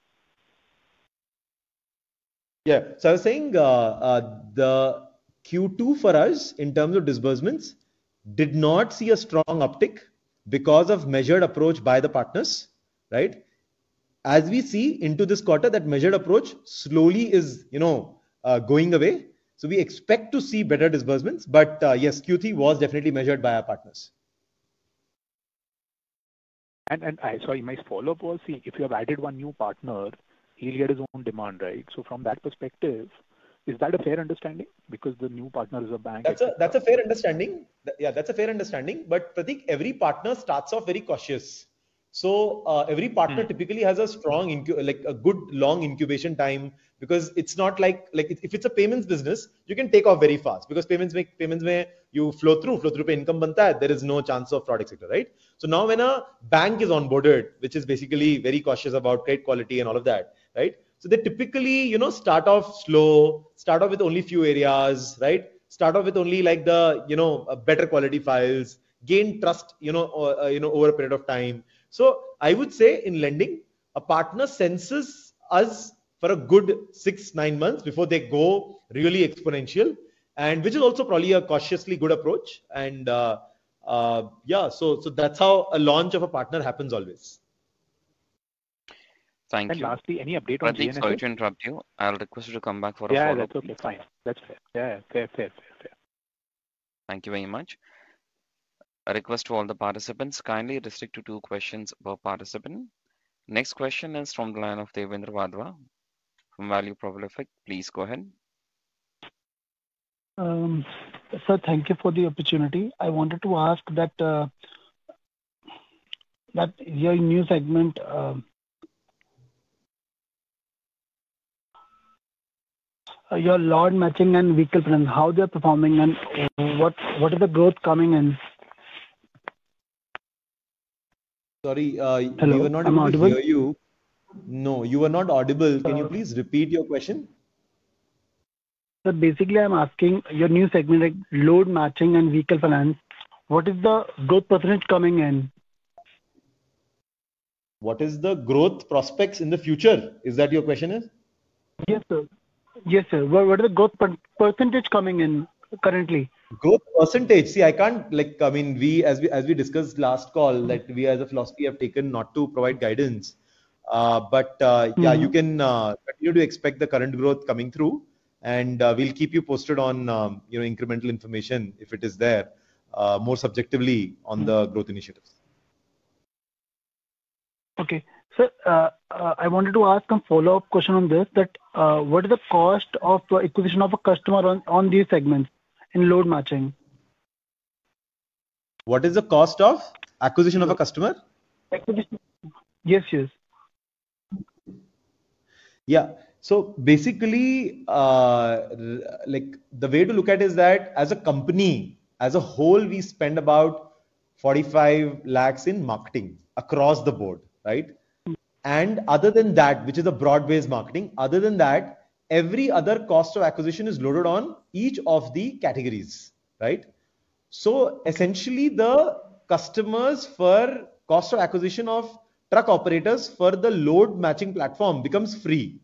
Yeah. So I was saying the Q2 for us, in terms of disbursements, did not see a strong uptick because of measured approach by the partners. As we see into this quarter, that measured approach slowly is going away. So we expect to see better disbursements. But yes, Q3 was definitely measured by our partners. And sorry, my follow-up was, if you have added one new partner, he'll get his own demand, right? So from that perspective, is that a fair understanding? Because the new partner is a bank. That's a fair understanding. Yeah, that's a fair understanding. But Prateek, every partner starts off very cautious. So every partner typically has a strong, good long incubation time because it's not like if it's a payments business, you can take off very fast because payments where you flow through, flow through fee income banta hai, there is no chance of fraud, etc., right? So now when a bank is onboarded, which is basically very cautious about credit quality and all of that, right? So they typically start off slow, start off with only few areas, right? Start off with only like the better quality files, gain trust over a period of time. So I would say in lending, a partner sends us for a good six to nine months before they go really exponential, which is also probably a cautiously good approach. And yeah, so that's how a launch of a partner happens always. Thank you. And lastly, any update on GNSS? Sorry to interrupt you. I'll request you to come back for a follow-up. Yeah, that's okay. Fine. That's fair. Yeah, yeah. Fair, fair, fair, fair. Thank you very much. A request to all the participants, kindly restrict to two questions per participant. Next question is from the line of Devender Wadhwa from Value Prolific, please go ahead. Sir, thank you for the opportunity. I wanted to ask that your new segment, your load matching and vehicle plan, how they're performing and what is the growth coming in? Sorry, we were not able to hear you. No, you were not audible. Can you please repeat your question? So basically, I'm asking your new segment, load matching and vehicle finance, what is the growth percentage coming in? What is the growth prospects in the future? Is that your question? Yes, sir. Yes, sir. What is the growth percentage coming in currently? Growth percentage? See, I can't, I mean, as we discussed last call, we as a philosophy have taken not to provide guidance. But yeah, you can continue to expect the current growth coming through. And we'll keep you posted on incremental information if it is there, more subjectively on the growth initiatives. Okay. Sir, I wanted to ask a follow-up question on this. What is the cost of the acquisition of a customer on these segments in load matching? What is the cost of acquisition of a customer? Yes, yes. Yeah. So basically, the way to look at it is that as a company, as a whole, we spend about 45 lakhs in marketing across the board, right? And other than that, which is a broad-based marketing, other than that, every other cost of acquisition is loaded on each of the categories, right? So essentially, the customers for cost of acquisition of truck operators for the load matching platform becomes free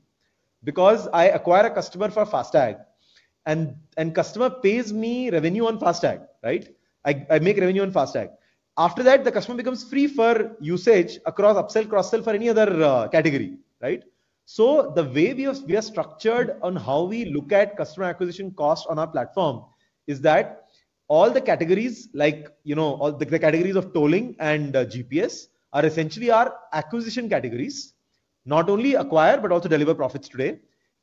because I acquire a customer for FASTag. And customer pays me revenue on FASTag, right? I make revenue on FASTag. After that, the customer becomes free for usage across upsell, cross-sell for any other category, right? So the way we are structured on how we look at customer acquisition cost on our platform is that all the categories, like the categories of tolling and GPS, are essentially our acquisition categories, not only acquire, but also deliver profits today.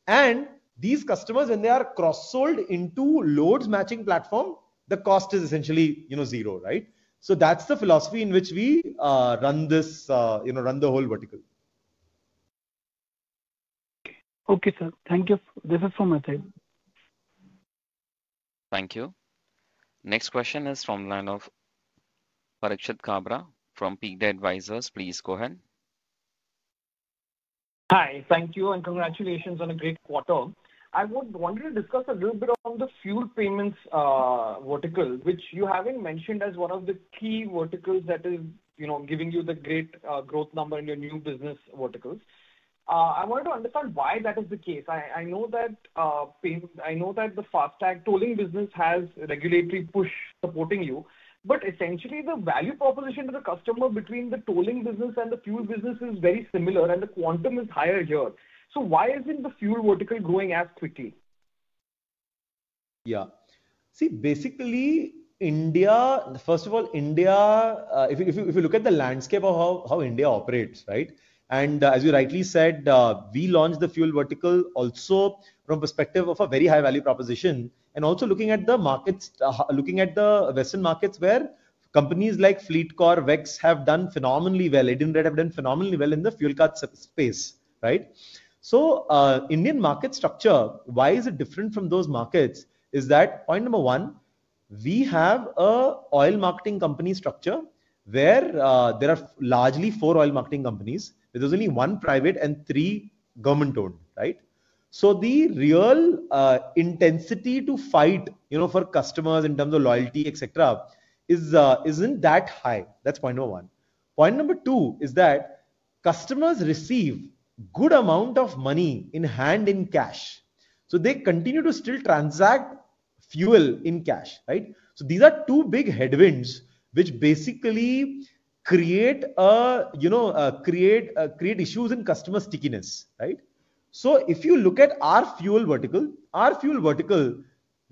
And these customers, when they are cross-sold into loads matching platform, the cost is essentially zero, right? So that's the philosophy in which we run this, run the whole vertical. Okay, sir. Thank you. This is from my side. Thank you. Next question is from the line of Parikshit Kabra from Pkeday Advisors. Please go ahead. Hi, thank you and congratulations on a great quarter. I wanted to discuss a little bit on the fuel payments vertical, which you haven't mentioned as one of the key verticals that is giving you the great growth number in your new business verticals. I wanted to understand why that is the case. I know that the FASTag tolling business has regulatory push supporting you, but essentially, the value proposition to the customer between the tolling business and the fuel business is very similar and the quantum is higher here. So why isn't the fuel vertical growing as quickly? Yeah. See, basically, India, first of all, India, if you look at the landscape of how India operates, right? As you rightly said, we launched the fuel vertical also from the perspective of a very high value proposition and also looking at the markets, looking at the Western markets where companies like Fleetcor, WEX have done phenomenally well. Edenred have done phenomenally well in the fuel card space, right? So Indian market structure, why is it different from those markets? Is that point number one, we have an oil marketing company structure where there are largely four oil marketing companies. There's only one private and three government-owned, right? So the real intensity to fight for customers in terms of loyalty, etc., isn't that high. That's point number one. Point number two is that customers receive a good amount of money in hand in cash. So they continue to still transact fuel in cash, right? So these are two big headwinds which basically create issues in customer stickiness, right? So if you look at our fuel vertical, our fuel vertical,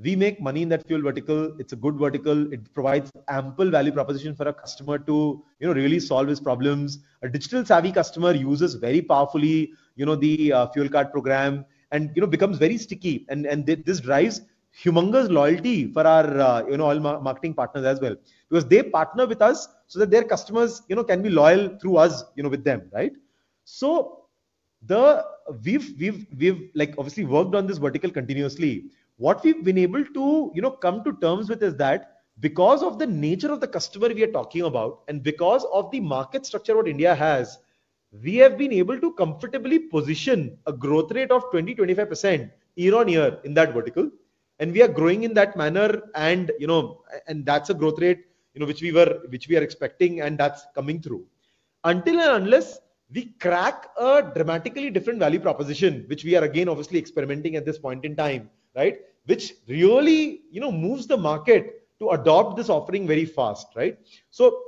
we make money in that fuel vertical. It's a good vertical. It provides ample value proposition for a customer to really solve his problems. A digital-savvy customer uses very powerfully the fuel card program and becomes very sticky. And this drives humongous loyalty for our oil marketing partners as well because they partner with us so that their customers can be loyal through us with them, right? So we've obviously worked on this vertical continuously. What we've been able to come to terms with is that because of the nature of the customer we are talking about and because of the market structure what India has, we have been able to comfortably position a growth rate of 20%-25% year-on-year in that vertical. And we are growing in that manner. That's a growth rate which we are expecting and that's coming through. Until and unless we crack a dramatically different value proposition, which we are again obviously experimenting at this point in time, right? Which really moves the market to adopt this offering very fast, right? So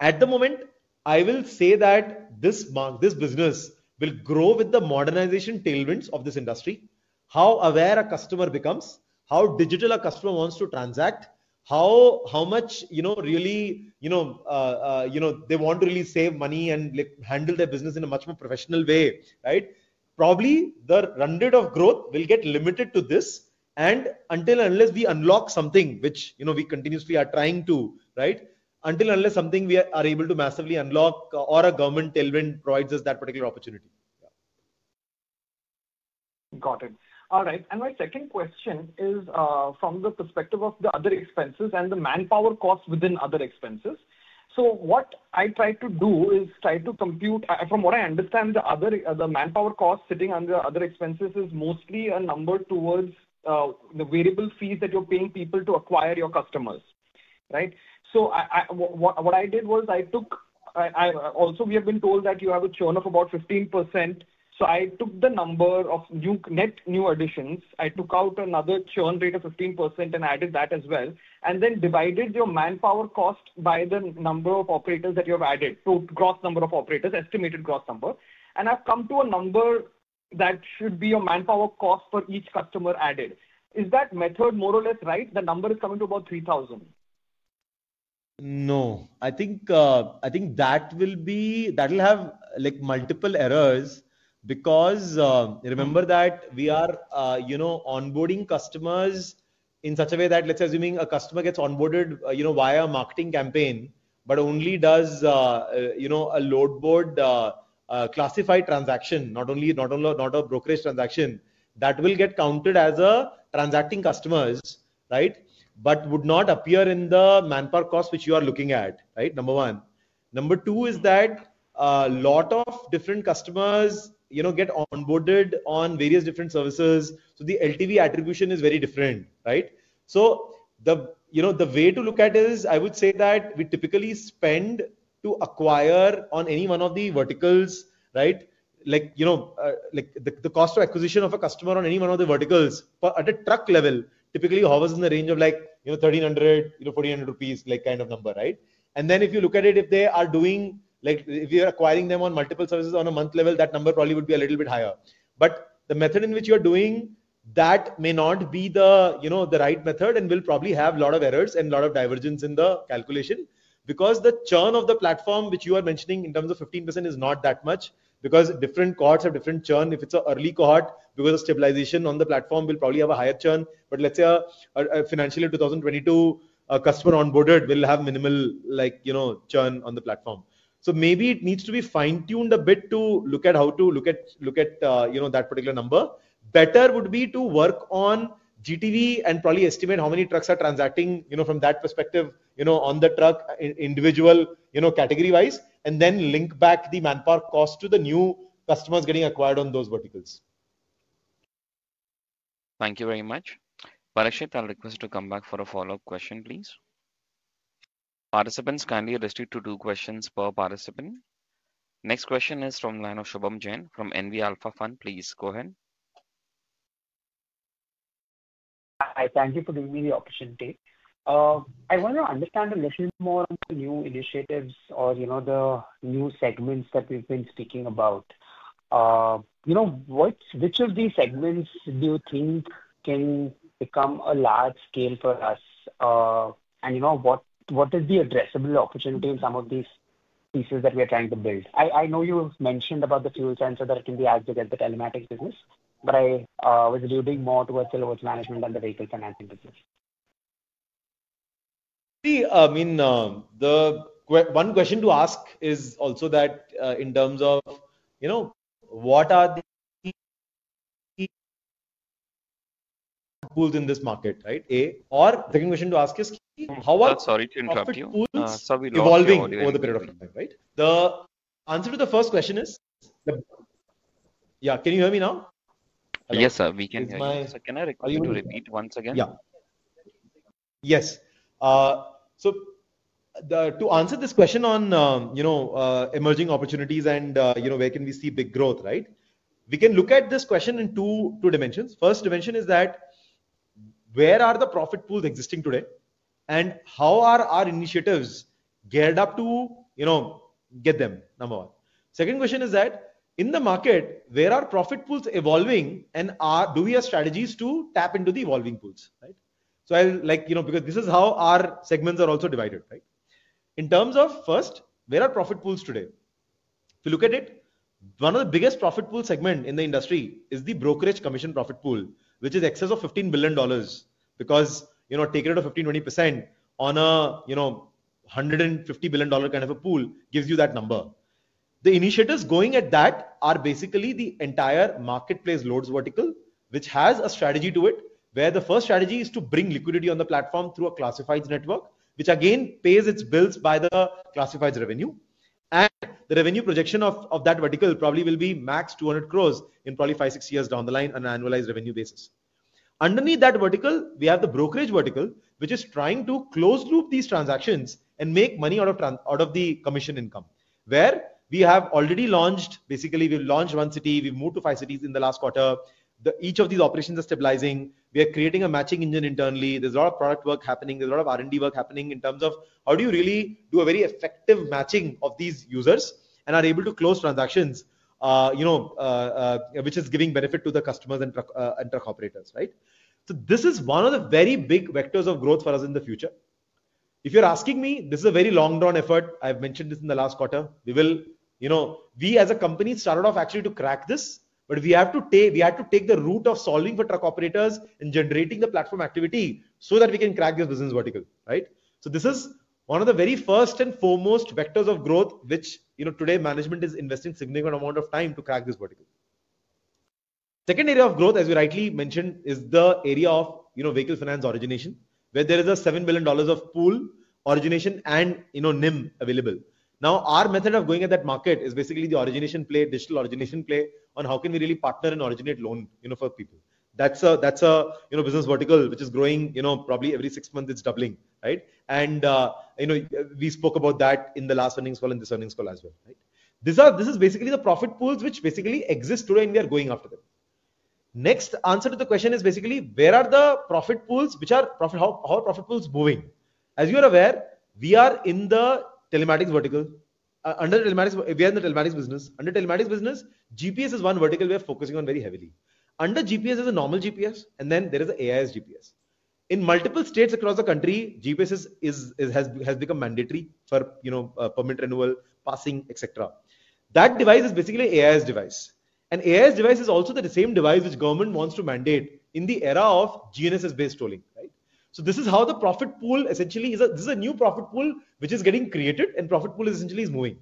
at the moment, I will say that this business will grow with the modernization tailwinds of this industry, how aware a customer becomes, how digital a customer wants to transact, how much really they want to really save money and handle their business in a much more professional way, right? Probably the tenor of growth will get limited to this. And until and unless we unlock something, which we continuously are trying to, right? Until and unless something we are able to massively unlock or a government tailwind provides us that particular opportunity. Got it. All right. And my second question is from the perspective of the other expenses and the manpower costs within other expenses. So what I try to do is try to compute, from what I understand, the manpower cost sitting under other expenses is mostly a number towards the variable fees that you're paying people to acquire your customers, right? So what I did was I took also, we have been told that you have a churn of about 15%. So I took the number of net new additions. I took out another churn rate of 15% and added that as well. And then divided your manpower cost by the number of operators that you have added, gross number of operators, estimated gross number. And I've come to a number that should be your manpower cost for each customer added. Is that method more or less right? The number is coming to about 3,000. No. I think that will have multiple errors because remember that we are onboarding customers in such a way that let's say assuming a customer gets onboarded via a marketing campaign, but only does a load board classified transaction, not a brokerage transaction, that will get counted as transacting customers, right? But would not appear in the manpower cost which you are looking at, right? Number one. Number two is that a lot of different customers get onboarded on various different services. So the LTV attribution is very different, right? So the way to look at it is I would say that we typically spend to acquire on any one of the verticals, right? The cost of acquisition of a customer on any one of the verticals at a truck level typically hovers in the range of like 1,300-1,400 rupees kind of number, right? And then if you look at it, if they are doing if you're acquiring them on multiple services on a month level, that number probably would be a little bit higher. But the method in which you are doing that may not be the right method and will probably have a lot of errors and a lot of divergence in the calculation because the churn of the platform which you are mentioning in terms of 15% is not that much because different cohorts have different churn. If it's an early cohort, because of stabilization on the platform, we'll probably have a higher churn. But let's say FY 2022, a customer onboarded will have minimal churn on the platform. So maybe it needs to be fine-tuned a bit to look at how to look at that particular number. Better would be to work on GTV and probably estimate how many trucks are transacting from that perspective on the truck individual category-wise and then link back the manpower cost to the new customers getting acquired on those verticals. Thank you very much. Parikshit, I'll request you to come back for a follow-up question, please. Participants kindly restrict to two questions per participant. Next question is from Shubham Jain of NV Alpha Fund, please go ahead. Hi, thank you for giving me the opportunity. I want to understand a little more on the new initiatives or the new segments that we've been speaking about. Which of these segments do you think can become a large scale for us? What is the addressable opportunity in some of these pieces that we are trying to build? I know you mentioned about the fuel transfer, that it can be as big as the telematics business, but I was leaning more towards the loads management and the vehicle financing business. See, I mean, one question to ask is also that in terms of what are the tools in this market, right? Or the second question to ask is how are the tools evolving over the period of time, right? The answer to the first question is, yeah, can you hear me now? Yes, sir. We can hear you. Can I request you to repeat once again? Yes. So to answer this question on emerging opportunities and where can we see big growth, right? We can look at this question in two dimensions. First dimension is that where are the profit pools existing today? And how are our initiatives geared up to get them? Number one. Second question is that in the market, where are profit pools evolving? And do we have strategies to tap into the evolving pools, right? So because this is how our segments are also divided, right? In terms of first, where are profit pools today? If you look at it, one of the biggest profit pool segments in the industry is the brokerage commission profit pool, which is excess of $15 billion because taking it at 15%-20% on a $150 billion kind of a pool gives you that number. The initiatives going at that are basically the entire marketplace loads vertical, which has a strategy to it, where the first strategy is to bring liquidity on the platform through a classified network, which again pays its bills by the classified revenue. And the revenue projection of that vertical probably will be max 200 crores in probably five to six years down the line on an annualized revenue basis. Underneath that vertical, we have the brokerage vertical, which is trying to close loop these transactions and make money out of the commission income, where we have already launched. Basically, we've launched one city, we've moved to five cities in the last quarter. Each of these operations are stabilizing. We are creating a matching engine internally. There's a lot of product work happening. There's a lot of R&D work happening in terms of how do you really do a very effective matching of these users and are able to close transactions, which is giving benefit to the customers and truck operators, right? So this is one of the very big vectors of growth for us in the future. If you're asking me, this is a very long-drawn effort. I've mentioned this in the last quarter. We as a company started off actually to crack this, but we had to take the route of solving for truck operators and generating the platform activity so that we can crack this business vertical, right? So this is one of the very first and foremost vectors of growth, which today management is investing a significant amount of time to crack this vertical. Second area of growth, as we rightly mentioned, is the area of vehicle finance origination, where there is a $7 billion of pool origination and an NIM available. Now, our method of going at that market is basically the origination play, digital origination play on how can we really partner and originate loan for people. That's a business vertical which is growing probably every six months, it's doubling, right? And we spoke about that in the last earnings call and this earnings call as well, right? This is basically the profit pools which basically exist today and we are going after them. Next, answer to the question is basically where are the profit pools, which are how are profit pools moving? As you are aware, we are in the telematics vertical. We are in the telematics business. Under telematics business, GPS is one vertical we are focusing on very heavily. Under GPS is a normal GPS, and then there is an AIS GPS. In multiple states across the country, GPS has become mandatory for permit renewal, passing, etc. That device is basically an AIS device. An AIS device is also the same device which government wants to mandate in the era of GNSS-based tolling, right? So this is how the profit pool essentially is. This is a new profit pool which is getting created, and profit pool essentially is moving.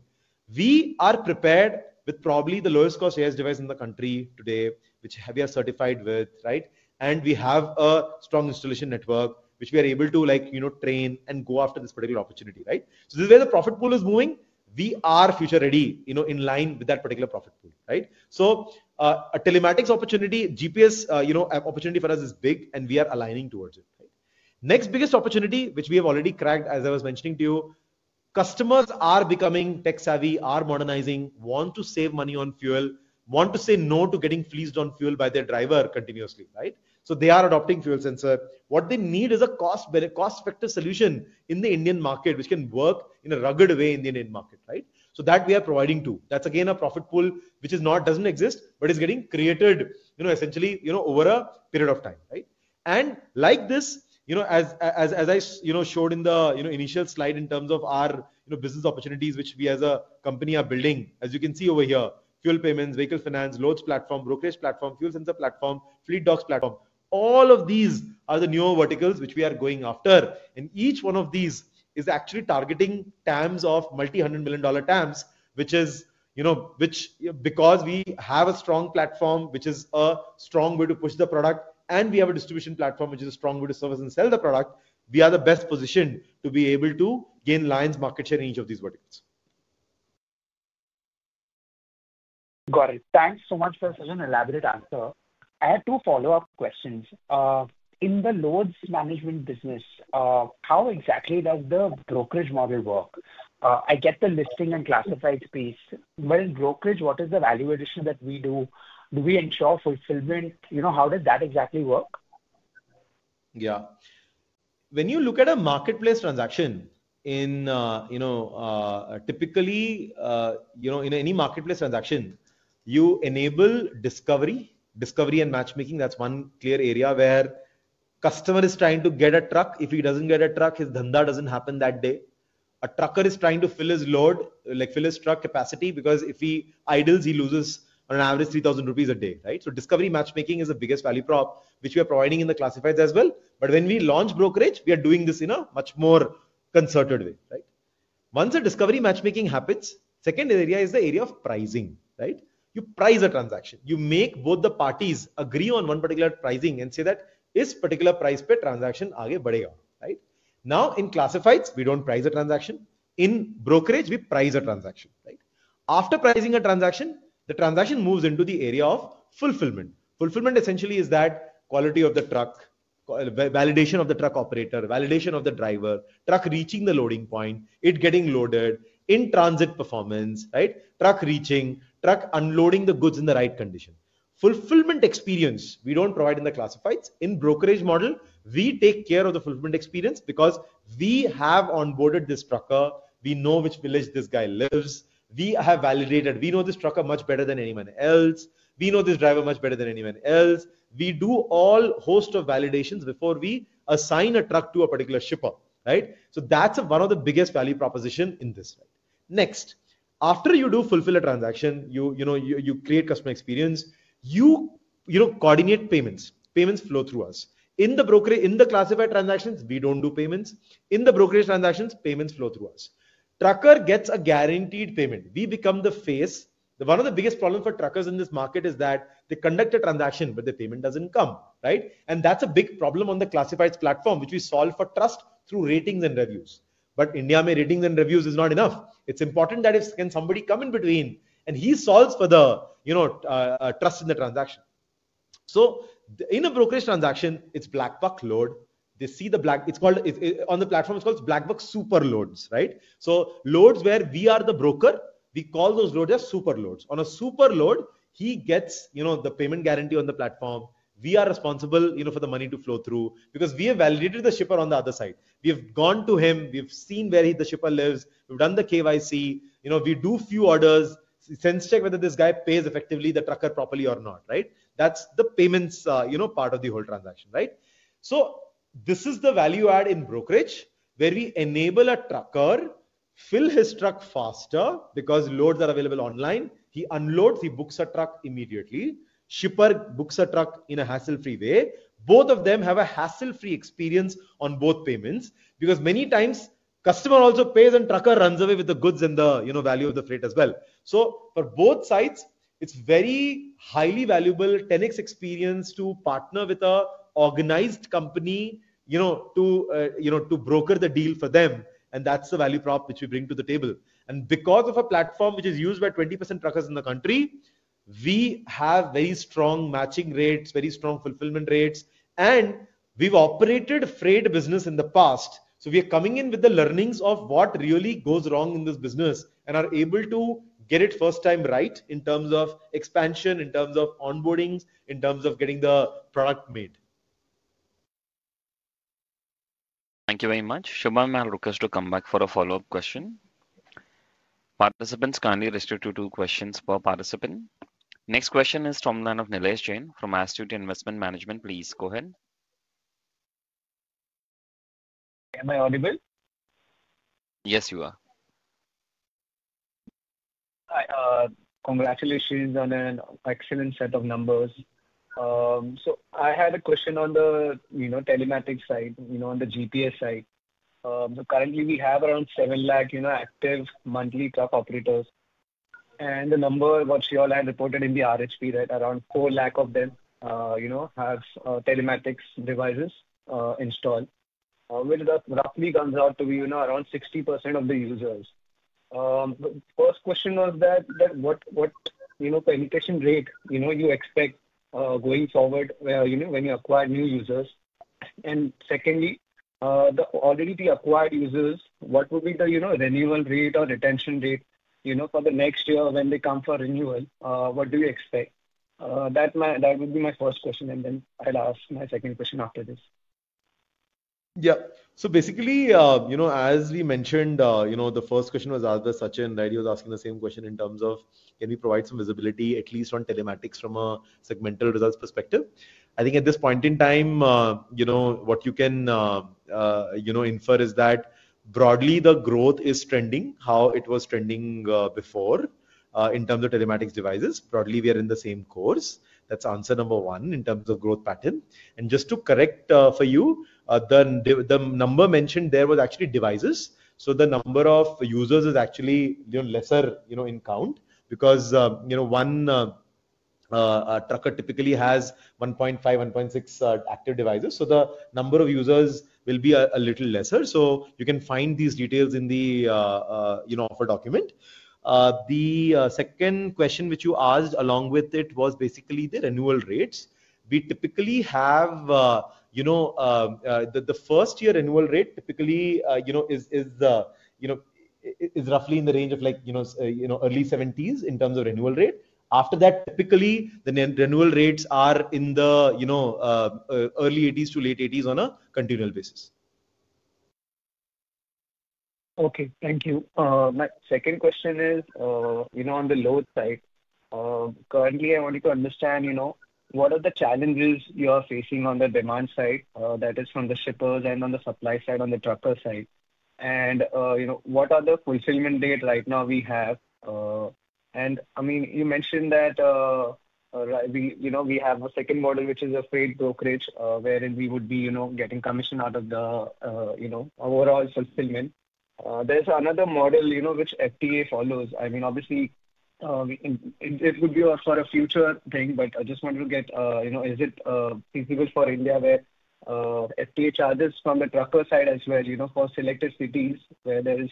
We are prepared with probably the lowest cost AIS device in the country today, which we are certified with, right? And we have a strong installation network, which we are able to train and go after this particular opportunity, right? So this is where the profit pool is moving. We are future-ready in line with that particular profit pool, right? So a telematics opportunity, GPS opportunity for us is big, and we are aligning towards it, right? Next biggest opportunity, which we have already cracked, as I was mentioning to you, customers are becoming tech-savvy, are modernizing, want to save money on fuel, want to say no to getting fleeced on fuel by their driver continuously, right? So they are adopting fuel sensor. What they need is a cost-effective solution in the Indian market, which can work in a rugged way in the Indian market, right? So that we are providing too. That's again a profit pool, which doesn't exist, but is getting created essentially over a period of time, right? And like this, as I showed in the initial slide in terms of our business opportunities, which we as a company are building, as you can see over here, fuel payments, vehicle finance, loads platform, brokerage platform, fuel sensor platform, FleetDocs platform. All of these are the new verticals which we are going after. And each one of these is actually targeting TAMs of multi-hundred million dollar TAMs, which is because we have a strong platform, which is a strong way to push the product, and we have a distribution platform, which is a strong way to service and sell the product. We are the best positioned to be able to gain lines, market share in each of these verticals. Got it. Thanks so much for such an elaborate answer. I had two follow-up questions. In the loads management business, how exactly does the brokerage model work? I get the listing and classified space. But in brokerage, what is the value addition that we do? Do we ensure fulfillment? How does that exactly work? Yeah. When you look at a marketplace transaction, typically in any marketplace transaction, you enable discovery and matchmaking. That's one clear area where a customer is trying to get a truck. If he doesn't get a truck, his dhandha doesn't happen that day. A trucker is trying to fill his load, fill his truck capacity, because if he idles, he loses on average 3,000 rupees a day, right? So discovery matchmaking is the biggest value prop, which we are providing in the classifieds as well. But when we launch brokerage, we are doing this in a much more concerted way, right? Once a discovery matchmaking happens, the second area is the area of pricing, right? You price a transaction. You make both the parties agree on one particular pricing and say that this particular price per transaction will go ahead, right? Now, in classifieds, we don't price a transaction. In brokerage, we price a transaction, right? After pricing a transaction, the transaction moves into the area of fulfillment. Fulfillment essentially is that quality of the truck, validation of the truck operator, validation of the driver, truck reaching the loading point, it getting loaded, in-transit performance, right? Truck reaching, truck unloading the goods in the right condition. Fulfillment experience, we don't provide in the classifieds. In the brokerage model, we take care of the fulfillment experience because we have onboarded this trucker. We know which village this guy lives. We have validated. We know this trucker much better than anyone else. We know this driver much better than anyone else. We do a whole host of validations before we assign a truck to a particular shipper, right? So that's one of the biggest value propositions in this, right? Next, after you do fulfill a transaction, you create customer experience. You coordinate payments. Payments flow through us. In the classified transactions, we don't do payments. In the brokerage transactions, payments flow through us. Trucker gets a guaranteed payment. We become the face. One of the biggest problems for truckers in this market is that they conduct a transaction, but the payment doesn't come, right? And that's a big problem on the classifieds platform, which we solve for trust through ratings and reviews. But in India, ratings and reviews are not enough. It's important that if somebody comes in between and he solves for the trust in the transaction. So in a brokerage transaction, it's BlackBuck Load. They see BlackBuck. On the platform, it's called BlackBuck Super Loads, right? So loads where we are the broker, we call those loads as Super Loads. On a Super Load, he gets the payment guarantee on the platform. We are responsible for the money to flow through because we have validated the shipper on the other side. We have gone to him. We have seen where the shipper lives. We've done the KYC. We do few orders. Sense check whether this guy pays effectively the trucker properly or not, right? That's the payments part of the whole transaction, right? So this is the value add in brokerage where we enable a trucker to fill his truck faster because loads are available online. He unloads, he books a truck immediately. Shipper books a truck in a hassle-free way. Both of them have a hassle-free experience on both payments because many times the customer also pays and the trucker runs away with the goods and the value of the freight as well. So for both sides, it's a very highly valuable 10x experience to partner with an organized company to broker the deal for them. And that's the value prop which we bring to the table. And because of a platform which is used by 20% truckers in the country, we have very strong matching rates, very strong fulfillment rates, and we've operated freight business in the past. So we are coming in with the learnings of what really goes wrong in this business and are able to get it first time right in terms of expansion, in terms of onboarding, in terms of getting the product made. Thank you very much. Shubham, I'll request to come back for a follow-up question. Participants kindly restrict to two questions per participant. Next question is from Nilesh Jain from Astute Investment Management. Please go ahead. Am I audible? Yes, you are. Hi. Congratulations on an excellent set of numbers. So I had a question on the telematics side, on the GPS side. Currently, we have around 7 lakh active monthly truck operators. And the number, what you all had reported in the DRHP, that around 4 lakh of them have telematics devices installed, which roughly comes out to be around 60% of the users. First question was that what penetration rate you expect going forward when you acquire new users? And secondly, already the acquired users, what would be the renewal rate or retention rate for the next year when they come for renewal? What do you expect? That would be my first question. And then I'll ask my second question after this. Yeah. So basically, as we mentioned, the first question was asked by Sachin, right? He was asking the same question in terms of, can we provide some visibility, at least on telematics from a segmental results perspective? I think at this point in time, what you can infer is that broadly, the growth is trending how it was trending before in terms of telematics devices. Broadly, we are in the same course. That's answer number one in terms of growth pattern. And just to correct for you, the number mentioned there was actually devices. So the number of users is actually lesser in count because one trucker typically has 1.5-1.6 active devices. So the number of users will be a little lesser. So you can find these details in the offer document. The second question which you asked along with it was basically the renewal rates. We typically have the first-year renewal rate typically is roughly in the range of early 70% in terms of renewal rate. After that, typically, the renewal rates are in the early 80% to late 80% on a continual basis. Okay. Thank you. My second question is on the load side. Currently, I wanted to understand what are the challenges you are facing on the demand side, that is, from the shippers and on the supply side on the trucker side. And what are the fulfillment dates right now we have? And I mean, you mentioned that we have a second model, which is a freight brokerage, wherein we would be getting commission out of the overall fulfillment. There's another model which FTA follows. I mean, obviously, it would be for a future thing, but I just wanted to get, is it feasible for India where FTA charges from the trucker side as well for selected cities where there is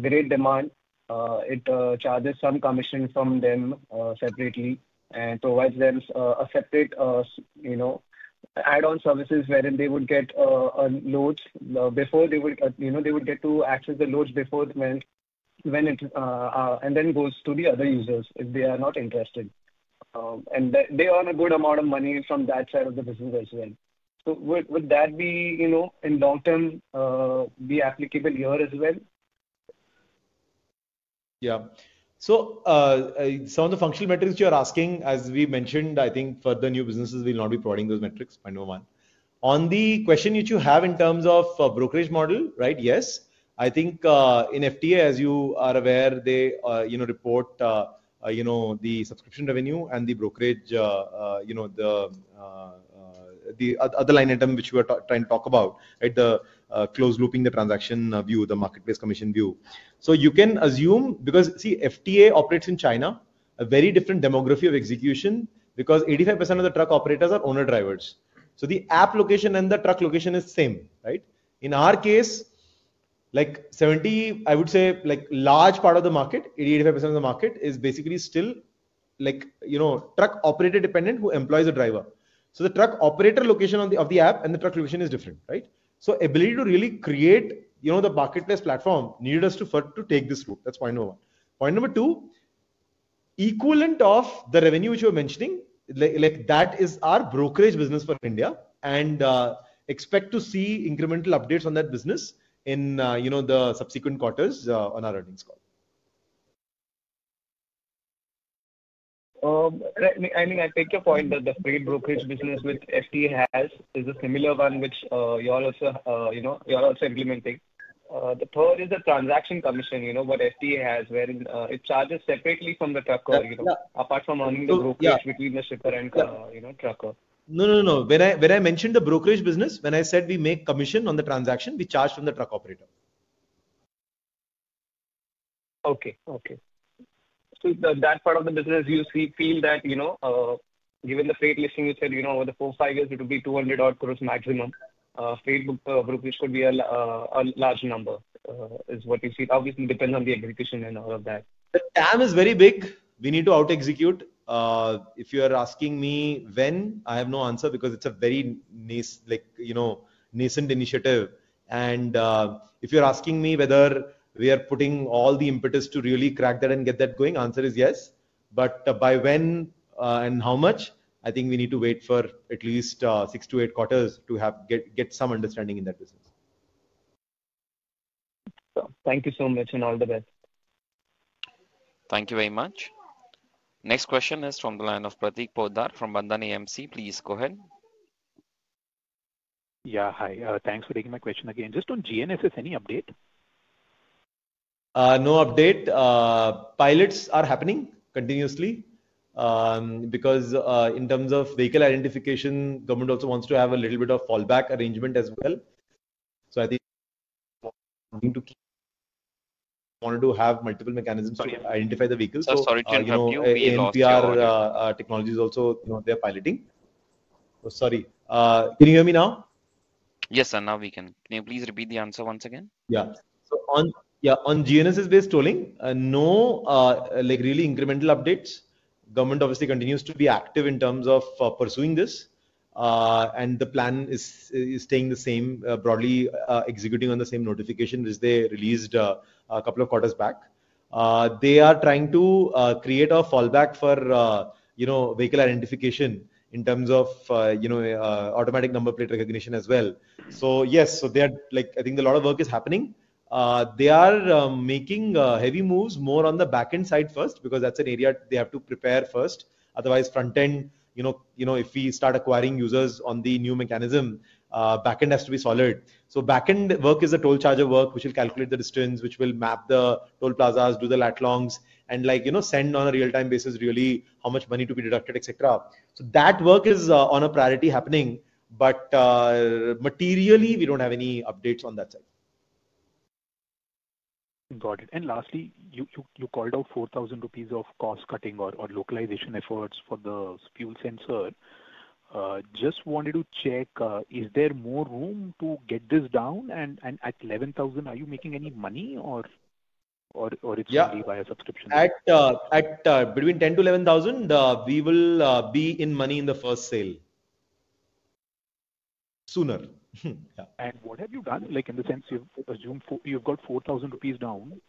great demand? It charges some commission from them separately and provides them a separate add-on services wherein they would get loads before they would get to access the loads before when it and then goes to the other users if they are not interested. And they earn a good amount of money from that side of the business as well. So would that be, in long term, be applicable here as well? Yeah. So some of the functional metrics you are asking, as we mentioned, I think further new businesses will not be providing those metrics, point number one. On the question which you have in terms of brokerage model, right? Yes. I think in FTA, as you are aware, they report the subscription revenue and the brokerage, the other line item which we are trying to talk about, right? The close looping, the transaction view, the marketplace commission view. So you can assume because, see, FTA operates in China, a very different demography of execution because 85% of the truck operators are owner drivers. So the app location and the truck location is same, right? In our case, like 70%, I would say, large part of the market, 85% of the market is basically still truck operator dependent who employs a driver. So the truck operator location of the app and the truck location is different, right? So ability to really create the marketplace platform needed us to take this route. That's point number one. Point number two, equivalent of the revenue which you are mentioning, that is our brokerage business for India, and expect to see incremental updates on that business in the subsequent quarters on our earnings call. I mean, I take your point that the freight brokerage business which FTA has is a similar one which you are also implementing. The third is the transaction commission, what FTA has, wherein it charges separately from the trucker, apart from earning the brokerage between the shipper and trucker. No, no, no. When I mentioned the brokerage business, when I said we make commission on the transaction, we charge from the truck operator. Okay, okay. So that part of the business, you feel that given the freight listing, you said over the four, five years, it would be 200-odd crores maximum. Freight brokerage could be a large number is what you see. Obviously, it depends on the execution and all of that. The TAM is very big. We need to out-execute. If you are asking me when, I have no answer because it's a very nascent initiative. And if you're asking me whether we are putting all the impetus to really crack that and get that going, the answer is yes. But by when and how much, I think we need to wait for at least six to eight quarters to get some understanding in that business. Thank you so much and all the best. Thank you very much. Next question is from the line of Prateek Poddar from Bandhan AMC. Please go ahead. Yeah, hi. Thanks for taking my question again. Just on GNSS, any update? No update. Pilots are happening continuously because in terms of vehicle identification, government also wants to have a little bit of fallback arrangement as well. So I think we wanted to have multiple mechanisms to identify the vehicles. Sorry to interrupt you. Sorry. Can you hear me now? Yes, sir. Now we can. Can you please repeat the answer once again? Yeah. So on GNSS-based tolling, no, really incremental updates. Government obviously continues to be active in terms of pursuing this. And the plan is staying the same, broadly executing on the same notification which they released a couple of quarters back. They are trying to create a fallback for vehicle identification in terms of automatic number plate recognition as well. So yes, so I think a lot of work is happening. They are making heavy moves more on the backend side first because that's an area they have to prepare first. Otherwise, frontend, if we start acquiring users on the new mechanism, backend has to be solid. So backend work is the toll charger work, which will calculate the distance, which will map the toll plazas, do the lat longs, and send on a real-time basis really how much money to be deducted, etc. So that work is on a priority happening. But materially, we don't have any updates on that side. Got it. And lastly, you called out 4,000 rupees of cost-cutting or localization efforts for the fuel sensor. Just wanted to check, is there more room to get this down? And at 11,000, are you making any money or it's only via subscription? At between 10,000 to 11,000, we will be in money in the first sale. Sooner. And what have you done? In the sense you've got 4,000 rupees down.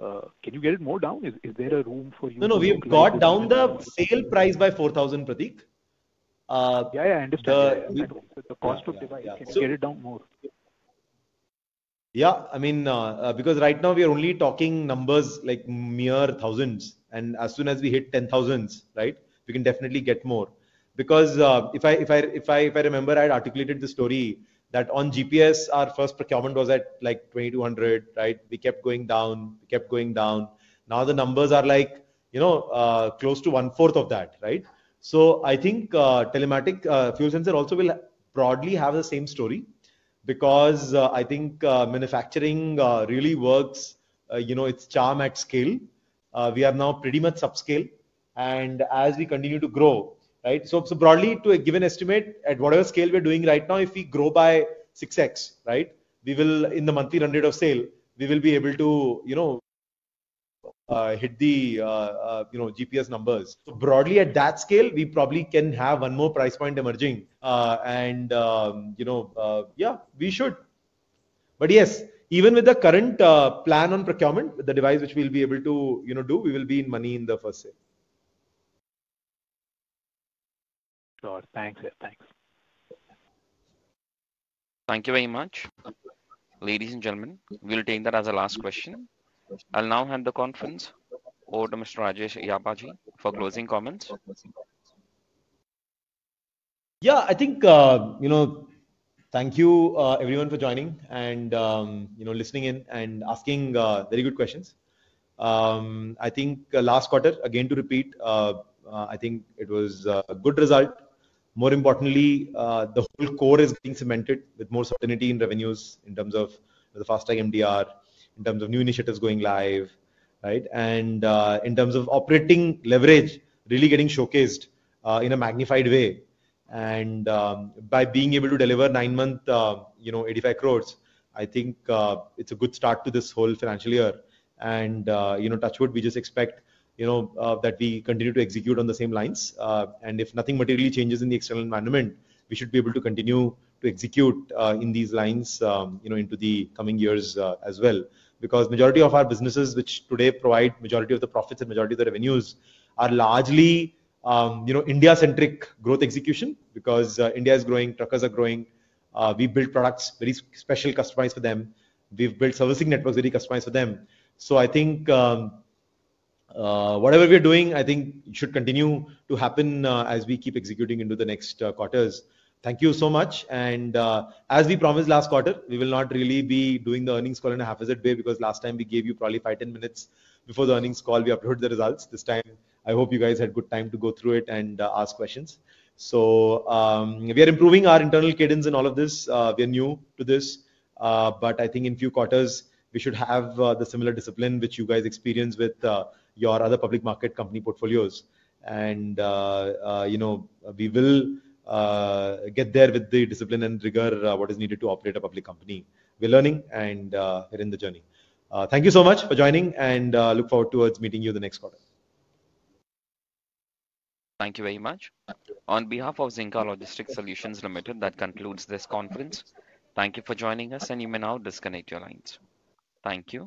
Can you get it more down? Is there a room for you? No, no. We've got down the sale price by 4,000, Prateek. Yeah, yeah. I understand. The cost of device. Can you get it down more? Yeah. I mean, because right now we are only talking numbers like mere thousands. And as soon as we hit INR 10,000s, right, we can definitely get more. Because if I remember, I had articulated the story that on GPS, our first procurement was at like 2,200, right? We kept going down. We kept going down. Now the numbers are like close to one-fourth of that, right? So I think telematics fuel sensor also will broadly have the same story because I think manufacturing really works its charm at scale. We are now pretty much subscale. And as we continue to grow, right? So broadly, to a given estimate, at whatever scale we're doing right now, if we grow by 6x, right, in the monthly run rate of sales, we will be able to hit the GPS numbers. So broadly, at that scale, we probably can have one more price point emerging. And yeah, we should. But yes, even with the current plan on procurement, the device which we'll be able to do, we will be in the money in the first sale. Sure. Thanks. Thanks. Thank you very much. Ladies and gentlemen, we'll take that as a last question. I'll now hand the conference over to Mr. Rajesh Yabaji for closing comments. Yeah. I think thank you, everyone, for joining and listening in and asking very good questions. I think last quarter, again to repeat, I think it was a good result. More importantly, the whole core is being cemented with more certainty in revenues in terms of the FASTag MDR, in terms of new initiatives going live, right? And in terms of operating leverage, really getting showcased in a magnified way. And by being able to deliver nine-month 85 crore, I think it's a good start to this whole financial year. And touch wood, we just expect that we continue to execute on the same lines. And if nothing materially changes in the external environment, we should be able to continue to execute in these lines into the coming years as well. Because majority of our businesses, which today provide majority of the profits and majority of the revenues, are largely India-centric growth execution because India is growing, truckers are growing. We build products very special customized for them. We've built servicing networks very customized for them. So I think whatever we are doing, I think should continue to happen as we keep executing into the next quarters. Thank you so much. As we promised last quarter, we will not really be doing the earnings call in half a day because last time we gave you probably five, 10 minutes before the earnings call, we uploaded the results. This time, I hope you guys had good time to go through it and ask questions. We are improving our internal cadence in all of this. We are new to this. I think in a few quarters, we should have the similar discipline which you guys experience with your other public market company portfolios. We will get there with the discipline and rigor what is needed to operate a public company. We're learning and we're in the journey. Thank you so much for joining and look forward towards meeting you the next quarter. Thank you very much. On behalf of Zinka Logistics Solutions Limited, that concludes this conference. Thank you for joining us, and you may now disconnect your lines. Thank you.